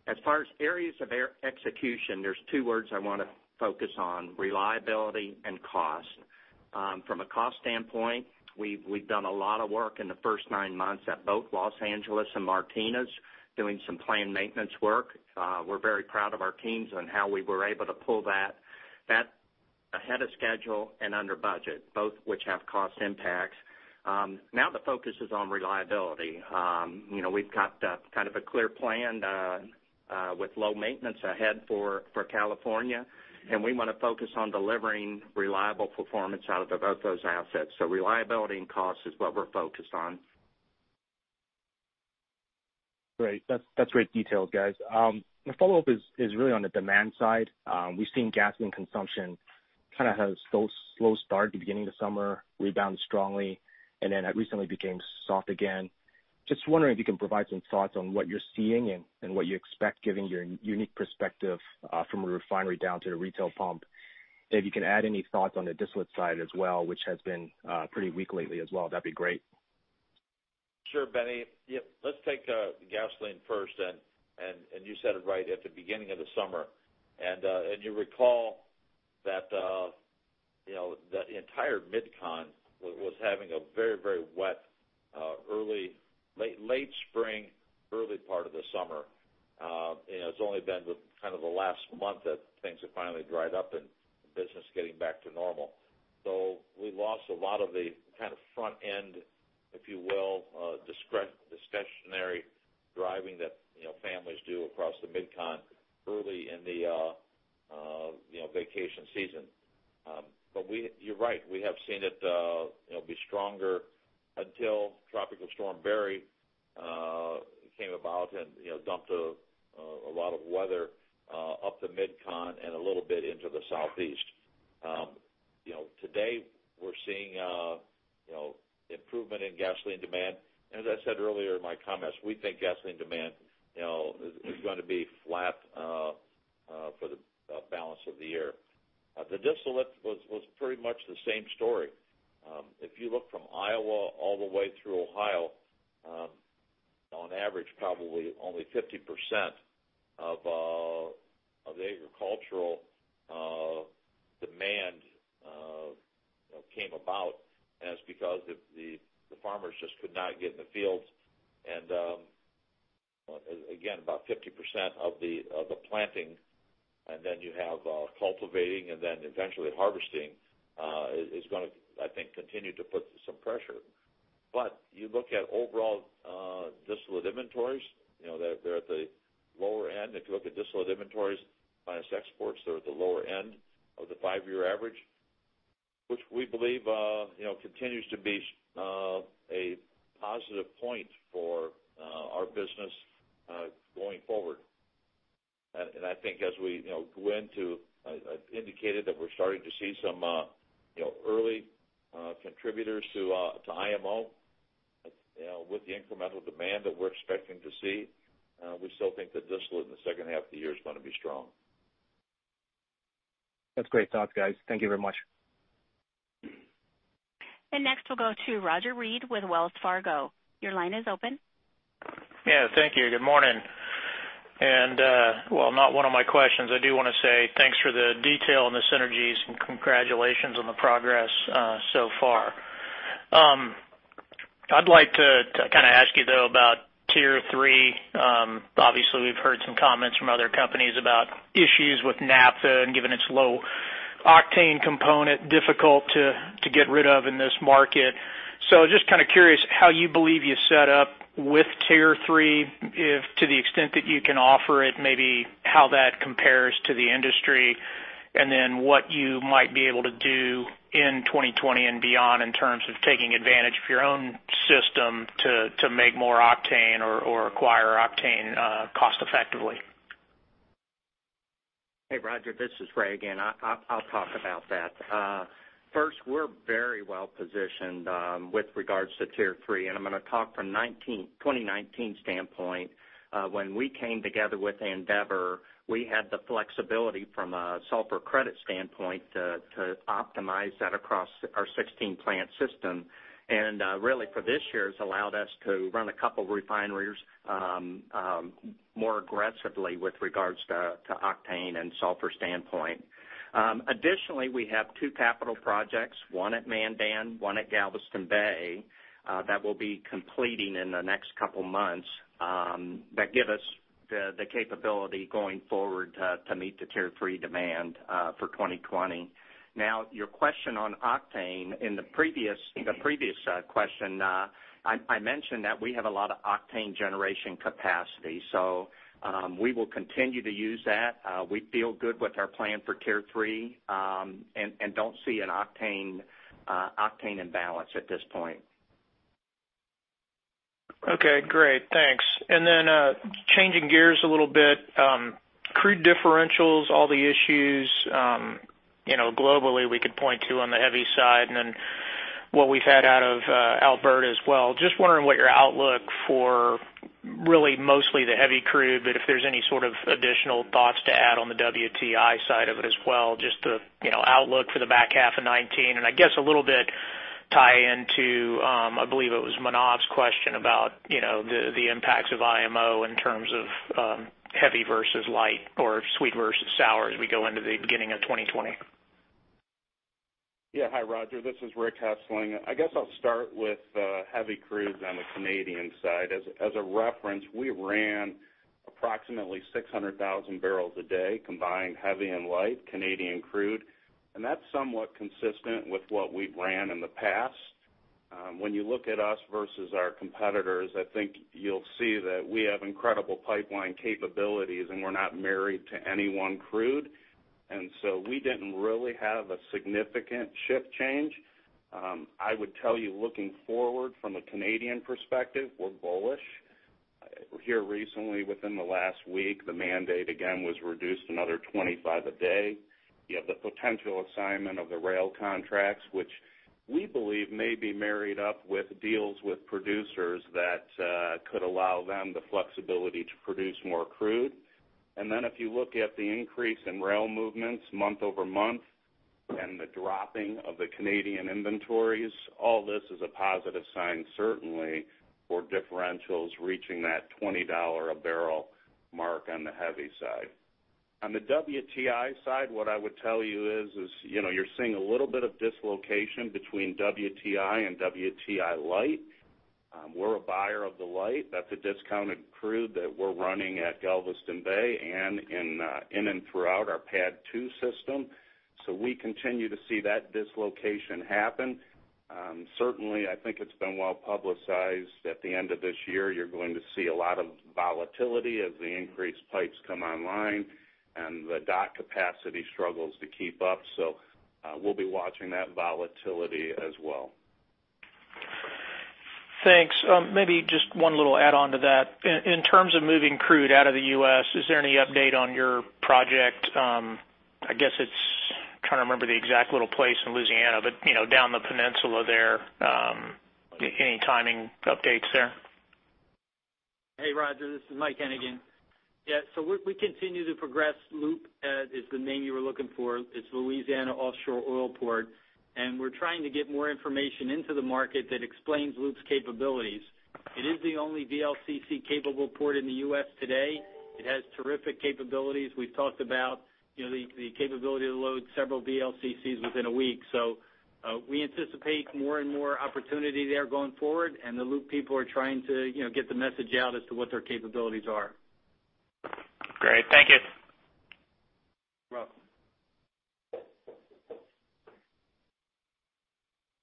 Speaker 8: As far as areas of execution, there's two words I want to focus on, reliability and cost. From a cost standpoint, we've done a lot of work in the first nine months at both Los Angeles and Martinez doing some planned maintenance work. We're very proud of our teams on how we were able to pull that ahead of schedule and under budget, both which have cost impacts. Now the focus is on reliability. We've got a clear plan with low maintenance ahead for California, and we want to focus on delivering reliable performance out of both those assets. Reliability and cost is what we're focused on.
Speaker 10: Great. That's great detail, guys. My follow-up is really on the demand side. We've seen gasoline consumption kind of have slow start at the beginning of summer, rebound strongly, and then it recently became soft again. Just wondering if you can provide some thoughts on what you're seeing and what you expect, giving your unique perspective from a refinery down to the retail pump. If you can add any thoughts on the distillate side as well, which has been pretty weak lately as well, that'd be great.
Speaker 3: Sure, Benny. Let's take gasoline first. You said it right at the beginning of the summer. You recall that the entire MidCon was having a very wet late spring, early part of the summer. It's only been the last month that things have finally dried up and business getting back to normal. We lost a lot of the front end, if you will, discretionary driving that families do across the MidCon early in the vacation season. You're right, we have seen it be stronger until Tropical Storm Barry came about and dumped a lot of weather up the MidCon and a little bit into the Southeast. Today, we're seeing improvement in gasoline demand. As I said earlier in my comments, we think gasoline demand is going to be flat for the balance of the year. The distillate was pretty much the same story. If you look from Iowa all the way through Ohio, on average, probably only 50% of the agricultural demand came about, and it's because the farmers just could not get in the fields. Again, about 50% of the planting, and then you have cultivating and then eventually harvesting is going to, I think, continue to put some pressure. You look at overall distillate inventories, they're at the lower end. If you look at distillate inventories minus exports, they're at the lower end of the five-year average, which we believe continues to be a positive point for our business going forward. I've indicated that we're starting to see some early contributors to IMO with the incremental demand that we're expecting to see. We still think that distillate in the second half of the year is going to be strong.
Speaker 10: That's great thoughts, guys. Thank you very much.
Speaker 1: Next, we'll go to Roger Read with Wells Fargo. Your line is open.
Speaker 11: Yeah, thank you. Good morning. While not one of my questions, I do want to say thanks for the detail and the synergies and congratulations on the progress so far. I'd like to ask you, though, about Tier 3. Obviously, we've heard some comments from other companies about issues with Naphtha and given its low octane component, difficult to get rid of in this market. Just curious how you believe you're set up with Tier 3, if to the extent that you can offer it, maybe how that compares to the industry, and then what you might be able to do in 2020 and beyond in terms of taking advantage of your own system to make more octane or acquire octane cost effectively.
Speaker 8: Hey, Roger, this is Ray again. First, we're very well positioned with regards to Tier 3, and I'm going to talk from 2019 standpoint. When we came together with Andeavor, we had the flexibility from a sulfur credit standpoint to optimize that across our 16-plant system. And really for this year, it's allowed us to run a couple refineries more aggressively with regards to octane and sulfur standpoint. Additionally, we have two capital projects, one at Mandan, one at Galveston Bay that will be completing in the next couple months that give us the capability going forward to meet the Tier 3 demand for 2020. Now, your question on octane. In the previous question, I mentioned that we have a lot of octane generation capacity. We will continue to use that. We feel good with our plan for Tier 3 and don't see an octane imbalance at this point. Okay, great. Thanks. Changing gears a little bit. Crude differentials, all the issues globally we could point to on the heavy side, and then what we've had out of Alberta as well. Just wondering what your outlook for really mostly the heavy crude, but if there's any sort of additional thoughts to add on the WTI side of it as well, just the outlook for the back half of 2019. I guess a little bit tie into, I believe it was Manav's question about the impacts of IMO in terms of heavy versus light or sweet versus sour as we go into the beginning of 2020.
Speaker 9: Hi, Roger. This is Rick Hessling. I guess I'll start with heavy crudes on the Canadian side. As a reference, we ran approximately 600,000 barrels a day, combined heavy and light Canadian crude, that's somewhat consistent with what we've ran in the past. When you look at us versus our competitors, I think you'll see that we have incredible pipeline capabilities, we're not married to any one crude. We didn't really have a significant shift change. I would tell you, looking forward from a Canadian perspective, we're bullish. Here recently, within the last week, the mandate again was reduced another 25 a day. You have the potential assignment of the rail contracts, which we believe may be married up with deals with producers that could allow them the flexibility to produce more crude. If you look at the increase in rail movements month-over-month and the dropping of the Canadian inventories, all this is a positive sign certainly for differentials reaching that $20 a barrel mark on the heavy side. On the WTI side, what I would tell you is you're seeing a little bit of dislocation between WTI and WTI light. We're a buyer of the light. That's a discounted crude that we're running at Galveston Bay and in and throughout our PADD 2 system. We continue to see that dislocation happen. Certainly, I think it's been well-publicized at the end of this year, you're going to see a lot of volatility as the increased pipes come online and the dock capacity struggles to keep up. We'll be watching that volatility as well.
Speaker 11: Thanks. Maybe just one little add-on to that. In terms of moving crude out of the U.S., is there any update on your project? I'm trying to remember the exact little place in Louisiana, but down the peninsula there. Any timing updates there?
Speaker 4: Hey, Roger. This is Mike Hennigan. Yeah. We continue to progress. LOOP is the name you were looking for. It's Louisiana Offshore Oil Port. We're trying to get more information into the market that explains LOOP's capabilities. It is the only VLCC-capable port in the U.S. today. It has terrific capabilities. We've talked about the capability to load several VLCCs within a week. We anticipate more and more opportunity there going forward, and the LOOP people are trying to get the message out as to what their capabilities are.
Speaker 11: Great. Thank you.
Speaker 4: You're welcome.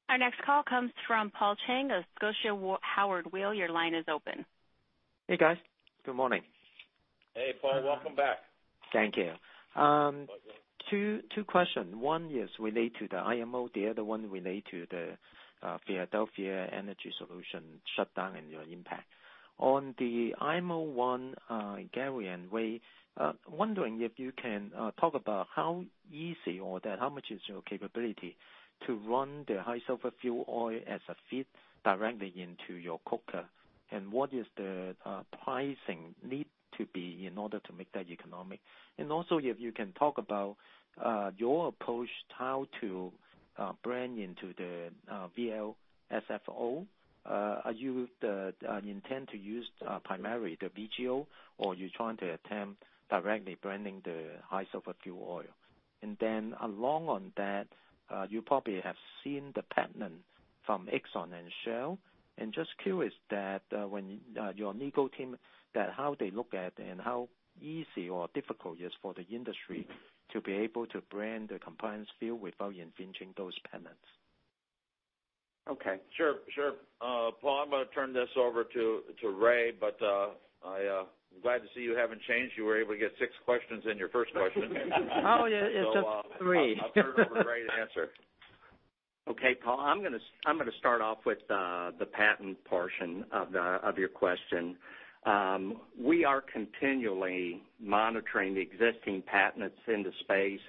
Speaker 1: Our next call comes from Paul Cheng of Scotia Howard Weil. Your line is open.
Speaker 12: Hey, guys. Good morning.
Speaker 3: Hey, Paul. Welcome back.
Speaker 12: Thank you.
Speaker 3: Welcome.
Speaker 12: Two questions. One is related to the IMO, the other one related to the Philadelphia Energy Solutions shutdown and your impact. On the IMO one, Gary and Ray, wondering if you can talk about how easy or how much is your capability to run the high sulfur fuel oil as a feed directly into your coker, and what is the pricing need to be in order to make that economic? Also, if you can talk about your approach how to brand into the VLSFO. Are you intend to use primarily the VGO, or you're trying to attempt directly branding the high sulfur fuel oil? Along on that, you probably have seen the patent from Exxon and Shell, and just curious that when your legal team, how they look at and how easy or difficult it is for the industry to be able to brand the compliance fuel without infringing those patents?
Speaker 3: Okay. Sure. Paul, I'm going to turn this over to Ray, but I'm glad to see you haven't changed. You were able to get six questions in your first question.
Speaker 12: Oh, yeah. It's just three.
Speaker 3: I'll turn it over to Ray to answer.
Speaker 8: Okay, Paul. I'm going to start off with the patent portion of your question. We are continually monitoring the existing patents in the space.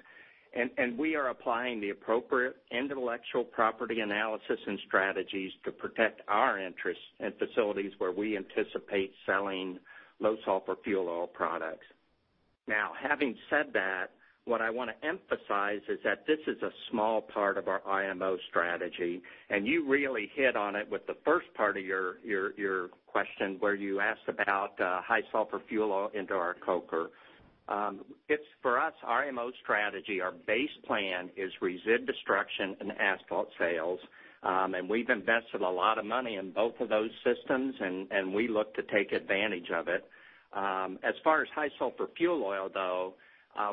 Speaker 8: We are applying the appropriate intellectual property analysis and strategies to protect our interests in facilities where we anticipate selling low sulfur fuel oil products. Now, having said that, what I want to emphasize is that this is a small part of our IMO strategy. You really hit on it with the first part of your question where you asked about high sulfur fuel oil into our coker. For us, our IMO strategy, our base plan is resid destruction and asphalt sales. We've invested a lot of money in both of those systems. We look to take advantage of it. As far as high sulfur fuel oil, though,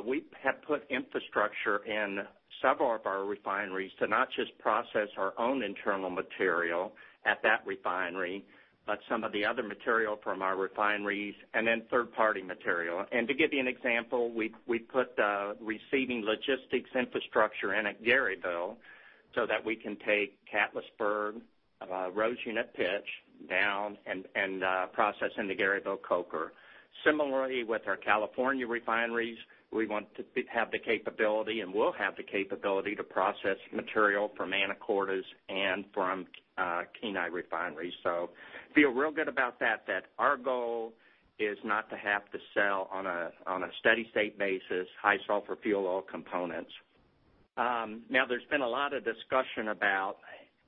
Speaker 8: we have put infrastructure in several of our refineries to not just process our own internal material at that refinery, but some of the other material from our refineries and then third-party material. To give you an example, we put receiving logistics infrastructure in at Garyville so that we can take Catlettsburg of our ROSE unit pitch down and process in the Garyville coker. Similarly, with our California refineries, we want to have the capability and will have the capability to process material from Anacortes and from Kenai Refinery. Feel real good about that our goal is not to have to sell on a steady state basis, high sulfur fuel oil components. Now, there's been a lot of discussion about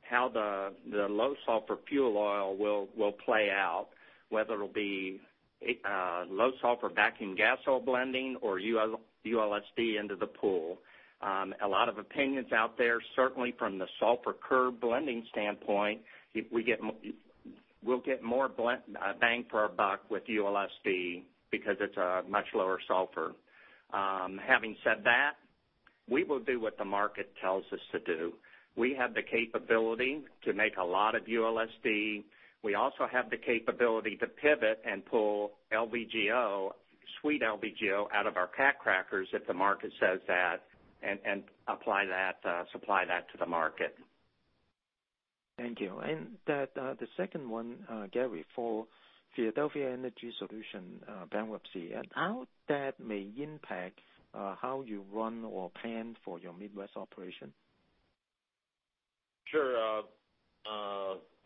Speaker 8: how the low sulfur fuel oil will play out, whether it'll be low sulfur vacuum gas oil blending or ULSD into the pool. A lot of opinions out there, certainly from the sulfur curb blending standpoint, we'll get more bang for our buck with ULSD because it's a much lower sulfur. Having said that, we will do what the market tells us to do. We have the capability to make a lot of ULSD. We also have the capability to pivot and pull sweet LVGO out of our cat crackers if the market says that, and supply that to the market.
Speaker 12: Thank you. The second one, Gary, for Philadelphia Energy Solutions bankruptcy, and how that may impact how you run or plan for your Midwest operation?
Speaker 3: Sure.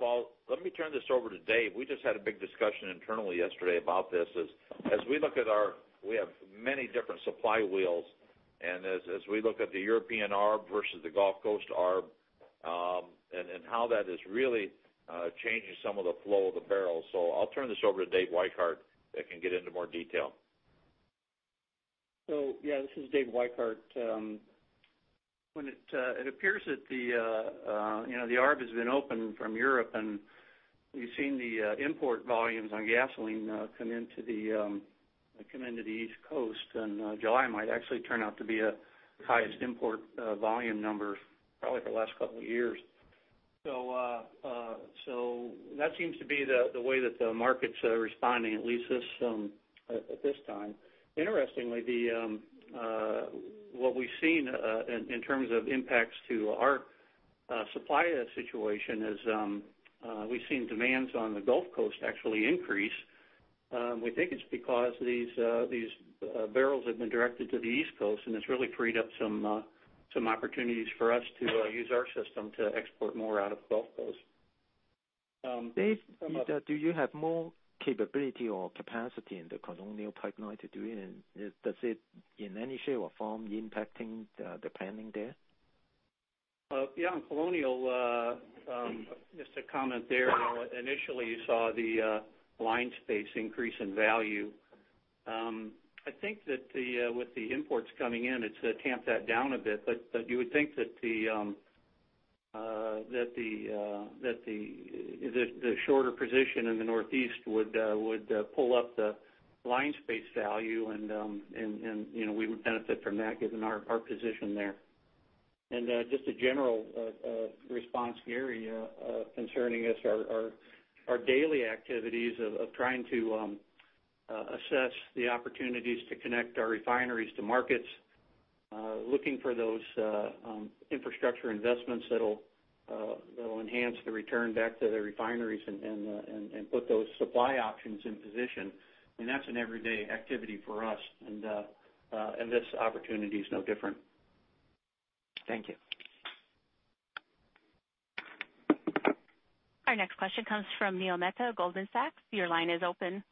Speaker 3: Well, let me turn this over to Dave. We just had a big discussion internally yesterday about this. We have many different supply wheels, and as we look at the European arb versus the Gulf Coast arb, and how that is really changing some of the flow of the barrels. I'll turn this over to Dave Whikehart that can get into more detail.
Speaker 13: Yeah, this is Dave Whikehart. It appears that the arb has been open from Europe, and we've seen the import volumes on gasoline come into the East Coast, and July might actually turn out to be a highest import volume number probably for the last couple of years. That seems to be the way that the market's responding, at least at this time. Interestingly, what we've seen in terms of impacts to our supply situation is, we've seen demands on the Gulf Coast actually increase. We think it's because these barrels have been directed to the East Coast, and it's really freed up some opportunities for us to use our system to export more out of the Gulf Coast.
Speaker 12: Dave, do you have more capability or capacity in the Colonial Pipeline to do it? Does it in any shape or form impacting the planning there?
Speaker 13: Yeah, on Colonial, just to comment there. Initially you saw the line space increase in value. I think that with the imports coming in, it's tamped that down a bit. You would think that the shorter position in the Northeast would pull up the line space value, and we would benefit from that given our position there. Just a general response, Gary, concerning us, our daily activities of trying to assess the opportunities to connect our refineries to markets. Looking for those infrastructure investments that'll enhance the return back to the refineries and put those supply options in position. That's an everyday activity for us, and this opportunity is no different.
Speaker 12: Thank you.
Speaker 1: Our next question comes from Neil Mehta, Goldman Sachs. Your line is open.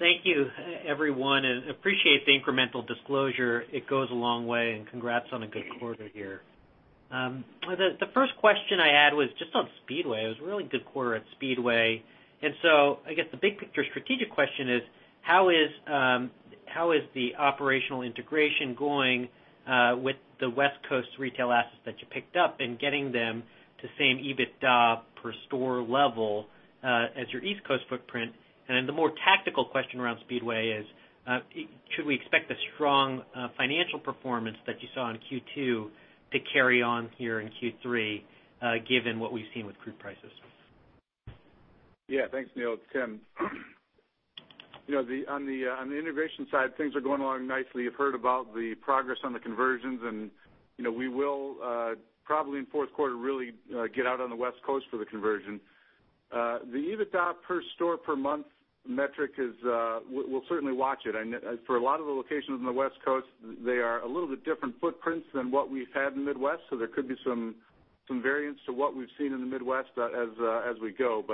Speaker 14: Thank you, everyone. Appreciate the incremental disclosure. It goes a long way and congrats on a good quarter here. The first question I had was just on Speedway. It was a really good quarter at Speedway. I guess the big picture strategic question is how is the operational integration going with the West Coast retail assets that you picked up and getting them to same EBITDA per store level as your East Coast footprint? The more tactical question around Speedway is, should we expect the strong financial performance that you saw in Q2 to carry on here in Q3 given what we've seen with crude prices?
Speaker 15: Thanks, Neil. It's Tim. On the integration side, things are going along nicely. You've heard about the progress on the conversions, and we will probably in fourth quarter really get out on the West Coast for the conversion. The EBITDA per store per month metric, we'll certainly watch it. For a lot of the locations on the West Coast, they are a little bit different footprints than what we've had in the Midwest, so there could be some variance to what we've seen in the Midwest as we go.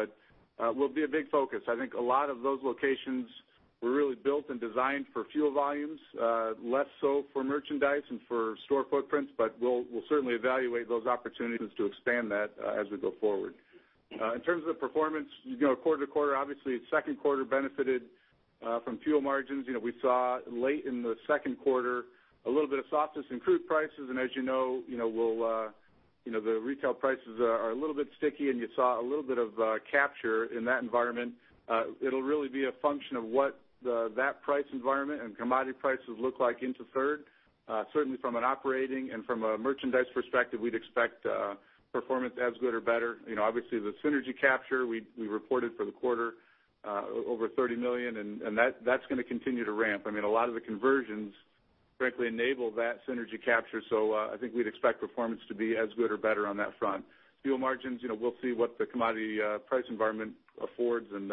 Speaker 15: Will be a big focus. I think a lot of those locations were really built and designed for fuel volumes, less so for merchandise and for store footprints. We'll certainly evaluate those opportunities to expand that as we go forward. In terms of performance, quarter to quarter, obviously second quarter benefited from fuel margins. We saw late in the second quarter a little bit of softness in crude prices, and as you know, the retail prices are a little bit sticky, and you saw a little bit of capture in that environment. It'll really be a function of what that price environment and commodity prices look like into third. Certainly from an operating and from a merchandise perspective, we'd expect performance as good or better. Obviously, the synergy capture we reported for the quarter, over $30 million, and that's going to continue to ramp. I mean, a lot of the conversions Frankly enable that synergy capture. I think we'd expect performance to be as good or better on that front. Fuel margins, we'll see what the commodity price environment affords and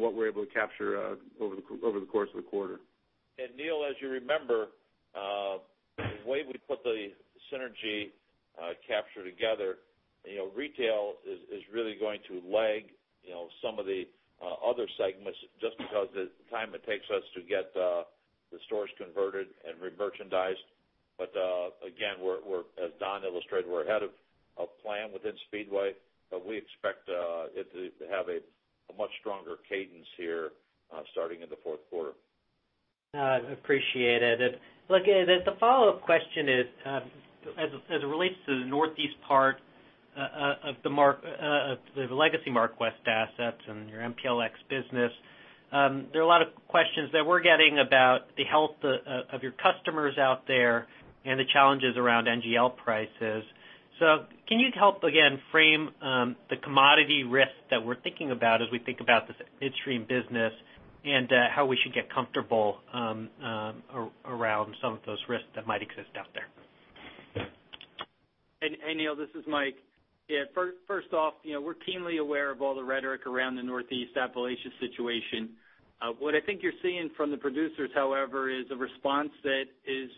Speaker 15: what we're able to capture over the course of the quarter.
Speaker 3: Neil, as you remember, the way we put the synergy capture together, retail is really going to lag some of the other segments just because the time it takes us to get the stores converted and remerchandised. Again, as Don illustrated, we're ahead of plan within Speedway, but we expect it to have a much stronger cadence here starting in the fourth quarter.
Speaker 14: I appreciate it. The follow-up question is, as it relates to the Northeast part of the legacy MarkWest assets and your MPLX business, there are a lot of questions that we're getting about the health of your customers out there and the challenges around NGL prices. Can you help again frame the commodity risk that we're thinking about as we think about this midstream business and how we should get comfortable around some of those risks that might exist out there?
Speaker 4: Hey, Neil, this is Mike. Yeah, first off, we're keenly aware of all the rhetoric around the Northeast Appalachia situation. What I think you're seeing from the producers, however, is a response that is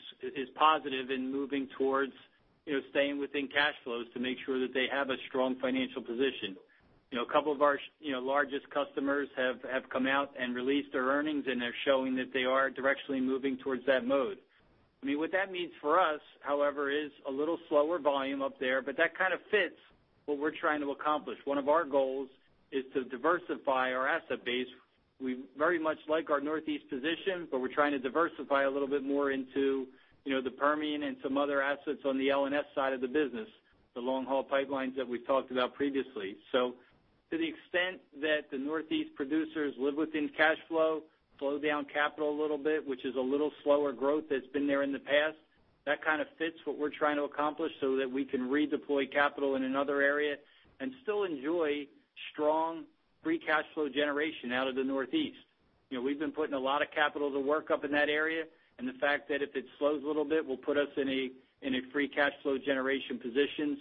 Speaker 4: positive in moving towards staying within cash flows to make sure that they have a strong financial position. A couple of our largest customers have come out and released their earnings, and they're showing that they are directionally moving towards that mode. What that means for us, however, is a little slower volume up there, but that kind of fits what we're trying to accomplish. One of our goals is to diversify our asset base. We very much like our Northeast position, but we're trying to diversify a little bit more into the Permian and some other assets on the L&S side of the business, the long-haul pipelines that we've talked about previously. To the extent that the Northeast producers live within cash flow, slow down capital a little bit, which is a little slower growth that's been there in the past, that kind of fits what we're trying to accomplish so that we can redeploy capital in another area and still enjoy strong free cash flow generation out of the Northeast. We've been putting a lot of capital to work up in that area, and the fact that if it slows a little bit will put us in a free cash flow generation position.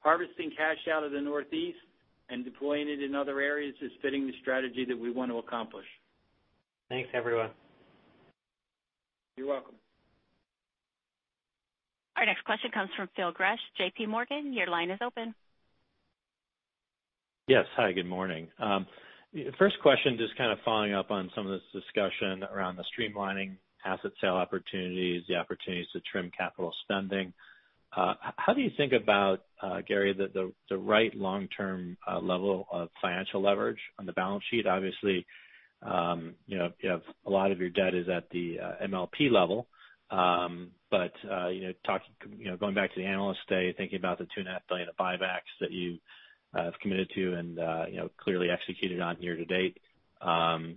Speaker 4: Harvesting cash out of the Northeast and deploying it in other areas is fitting the strategy that we want to accomplish.
Speaker 14: Thanks, everyone.
Speaker 4: You're welcome.
Speaker 1: Our next question comes from Phil Gresh, JPMorgan. Your line is open.
Speaker 16: Yes. Hi, good morning. First question, just kind of following up on some of this discussion around the streamlining asset sale opportunities, the opportunities to trim capital spending. How do you think about, Gary, the right long-term level of financial leverage on the balance sheet? Obviously, you have a lot of your debt is at the MLP level. Going back to the Analyst Day, thinking about the $2.5 billion of buybacks that you have committed to and clearly executed on year to date, do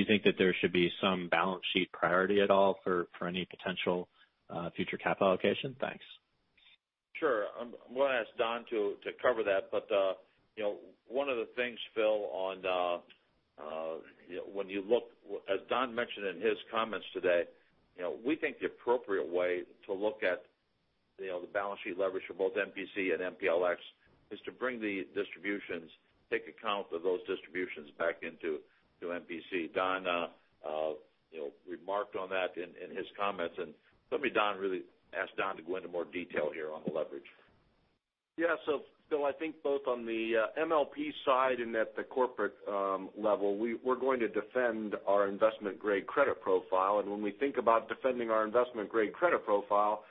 Speaker 16: you think that there should be some balance sheet priority at all for any potential future cap allocation? Thanks.
Speaker 3: Sure. I'm going to ask Don to cover that. One of the things, Phil, as Don mentioned in his comments today, we think the appropriate way to look at the balance sheet leverage for both MPC and MPLX is to bring the distributions, take account of those distributions back into MPC. Don remarked on that in his comments, and let me ask Don to go into more detail here on the leverage.
Speaker 5: Phil, I think both on the MLP side and at the corporate level, we're going to defend our investment-grade credit profile. When we think about defending our investment-grade credit profile,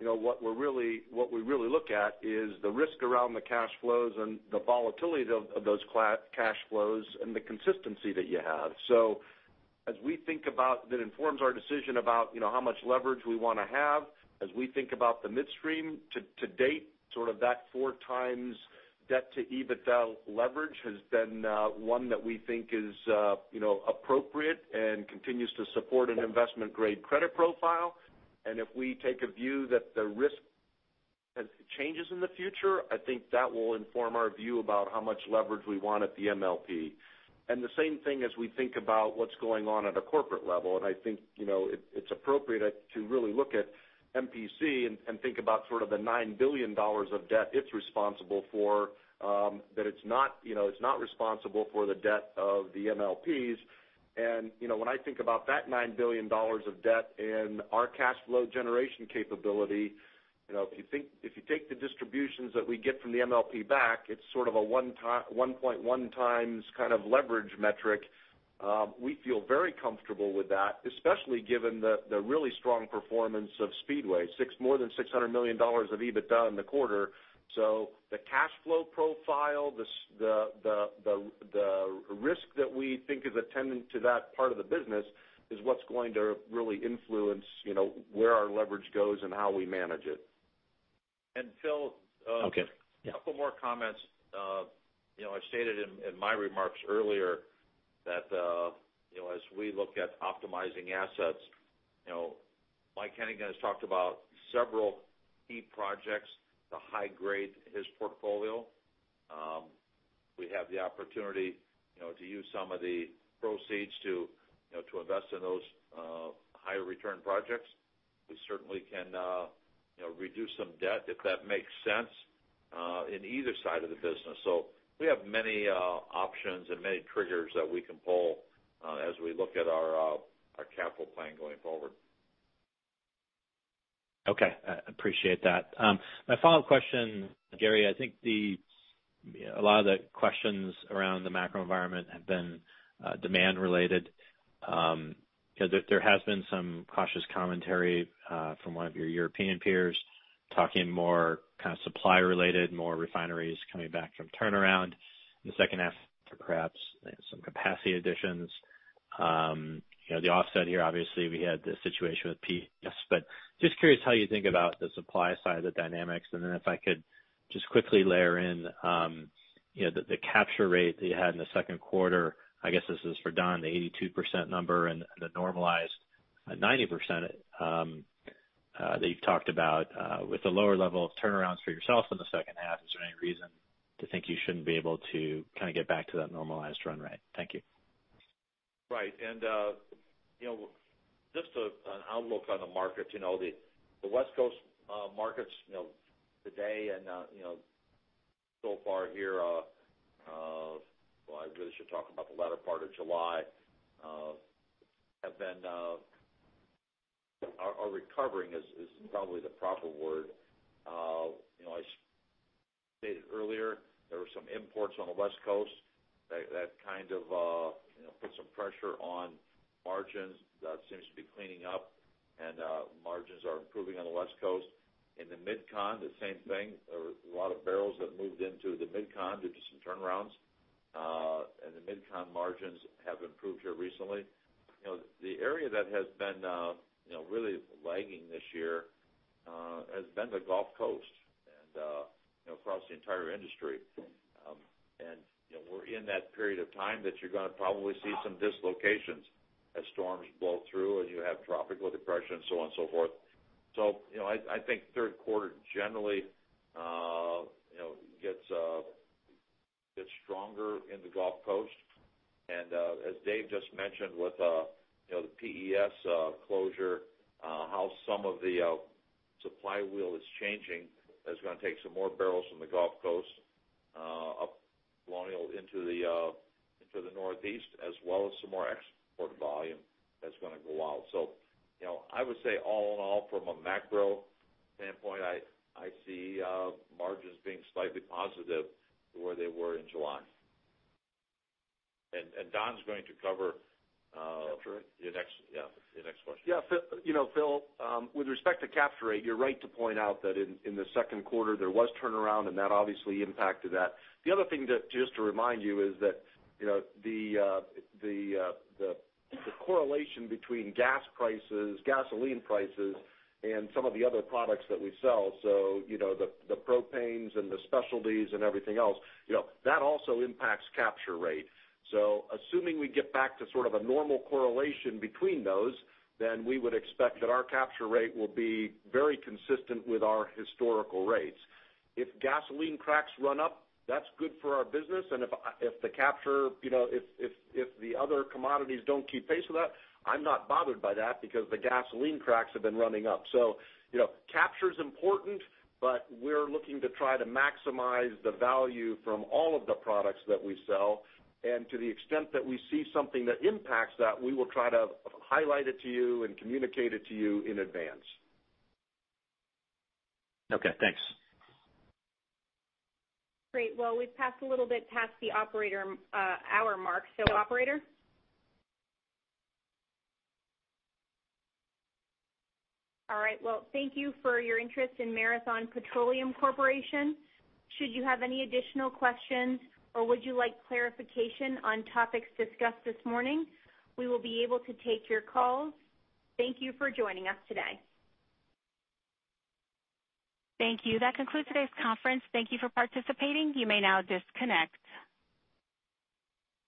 Speaker 5: what we really look at is the risk around the cash flows and the volatility of those cash flows and the consistency that you have. As we think about that informs our decision about how much leverage we want to have, as we think about the midstream to date, sort of that four times debt to EBITDA leverage has been one that we think is appropriate and continues to support an investment-grade credit profile. If we take a view that the risk changes in the future, I think that will inform our view about how much leverage we want at the MLP. The same thing as we think about what's going on at a corporate level, I think it's appropriate to really look at MPC and think about sort of the $9 billion of debt it's responsible for, that it's not responsible for the debt of the MLPs. When I think about that $9 billion of debt and our cash flow generation capability, if you take the distributions that we get from the MLP back, it's sort of a 1.1 times kind of leverage metric. We feel very comfortable with that, especially given the really strong performance of Speedway. More than $600 million of EBITDA in the quarter. The cash flow profile, the risk that we think is attendant to that part of the business is what's going to really influence where our leverage goes and how we manage it.
Speaker 3: Phil.
Speaker 16: Okay. Yeah.
Speaker 3: A couple more comments. I stated in my remarks earlier that as we look at optimizing assets, Mike Hennigan has talked about several key projects to high grade his portfolio. We have the opportunity to use some of the proceeds to invest in those higher return projects. We certainly can reduce some debt, if that makes sense, in either side of the business. We have many options and many triggers that we can pull as we look at our capital plan going forward.
Speaker 16: Okay. I appreciate that. My follow-up question, Gary, I think a lot of the questions around the macro environment have been demand related. There has been some cautious commentary from one of your European peers talking more supply related, more refineries coming back from turnaround in the second half, perhaps some capacity additions. The offset here, obviously, we had the situation with PES. Just curious how you think about the supply side of the dynamics, and then if I could just quickly layer in the capture rate that you had in the second quarter, I guess this is for Don, the 82% number and the normalized 90% that you've talked about with the lower level of turnarounds for yourself in the second half. Is there any reason to think you shouldn't be able to get back to that normalized run rate? Thank you.
Speaker 3: Right. Just an outlook on the market. The West Coast markets today and so far here, well, I really should talk about the latter part of July, are recovering, is probably the proper word. I stated earlier there were some imports on the West Coast that put some pressure on margins. That seems to be cleaning up, and margins are improving on the West Coast. In the MidCon, the same thing. There were a lot of barrels that moved into the MidCon due to some turnarounds. The MidCon margins have improved here recently. The area that has been really lagging this year has been the Gulf Coast and across the entire industry. We're in that period of time that you're going to probably see some dislocations as storms blow through, as you have tropical depression, so on and so forth. I think third quarter, generally, gets stronger in the Gulf Coast. As Dave just mentioned with the PES closure, how some of the supply wheel is changing is going to take some more barrels from the Gulf Coast up Colonial into the Northeast, as well as some more export volume that's going to go out. I would say all in all, from a macro standpoint, I see margins being slightly positive to where they were in July. Don's going to cover
Speaker 5: Capture?
Speaker 3: Yeah, your next question.
Speaker 5: Yeah, Phil, with respect to capture rate, you're right to point out that in the second quarter, there was turnaround, and that obviously impacted that. The other thing that, just to remind you, is that the correlation between gas prices, gasoline prices, and some of the other products that we sell, so the propanes and the specialties and everything else, that also impacts capture rate. Assuming we get back to sort of a normal correlation between those, then we would expect that our capture rate will be very consistent with our historical rates. If gasoline cracks run up, that's good for our business. If the other commodities don't keep pace with that, I'm not bothered by that because the gasoline cracks have been running up. Capture is important, but we're looking to try to maximize the value from all of the products that we sell. To the extent that we see something that impacts that, we will try to highlight it to you and communicate it to you in advance.
Speaker 16: Okay, thanks.
Speaker 2: Great. Well, we've passed a little bit past the operator hour mark. Operator? All right. Well, thank you for your interest in Marathon Petroleum Corporation. Should you have any additional questions or would you like clarification on topics discussed this morning, we will be able to take your calls. Thank you for joining us today.
Speaker 1: Thank you. That concludes today's conference. Thank you for participating. You may now disconnect.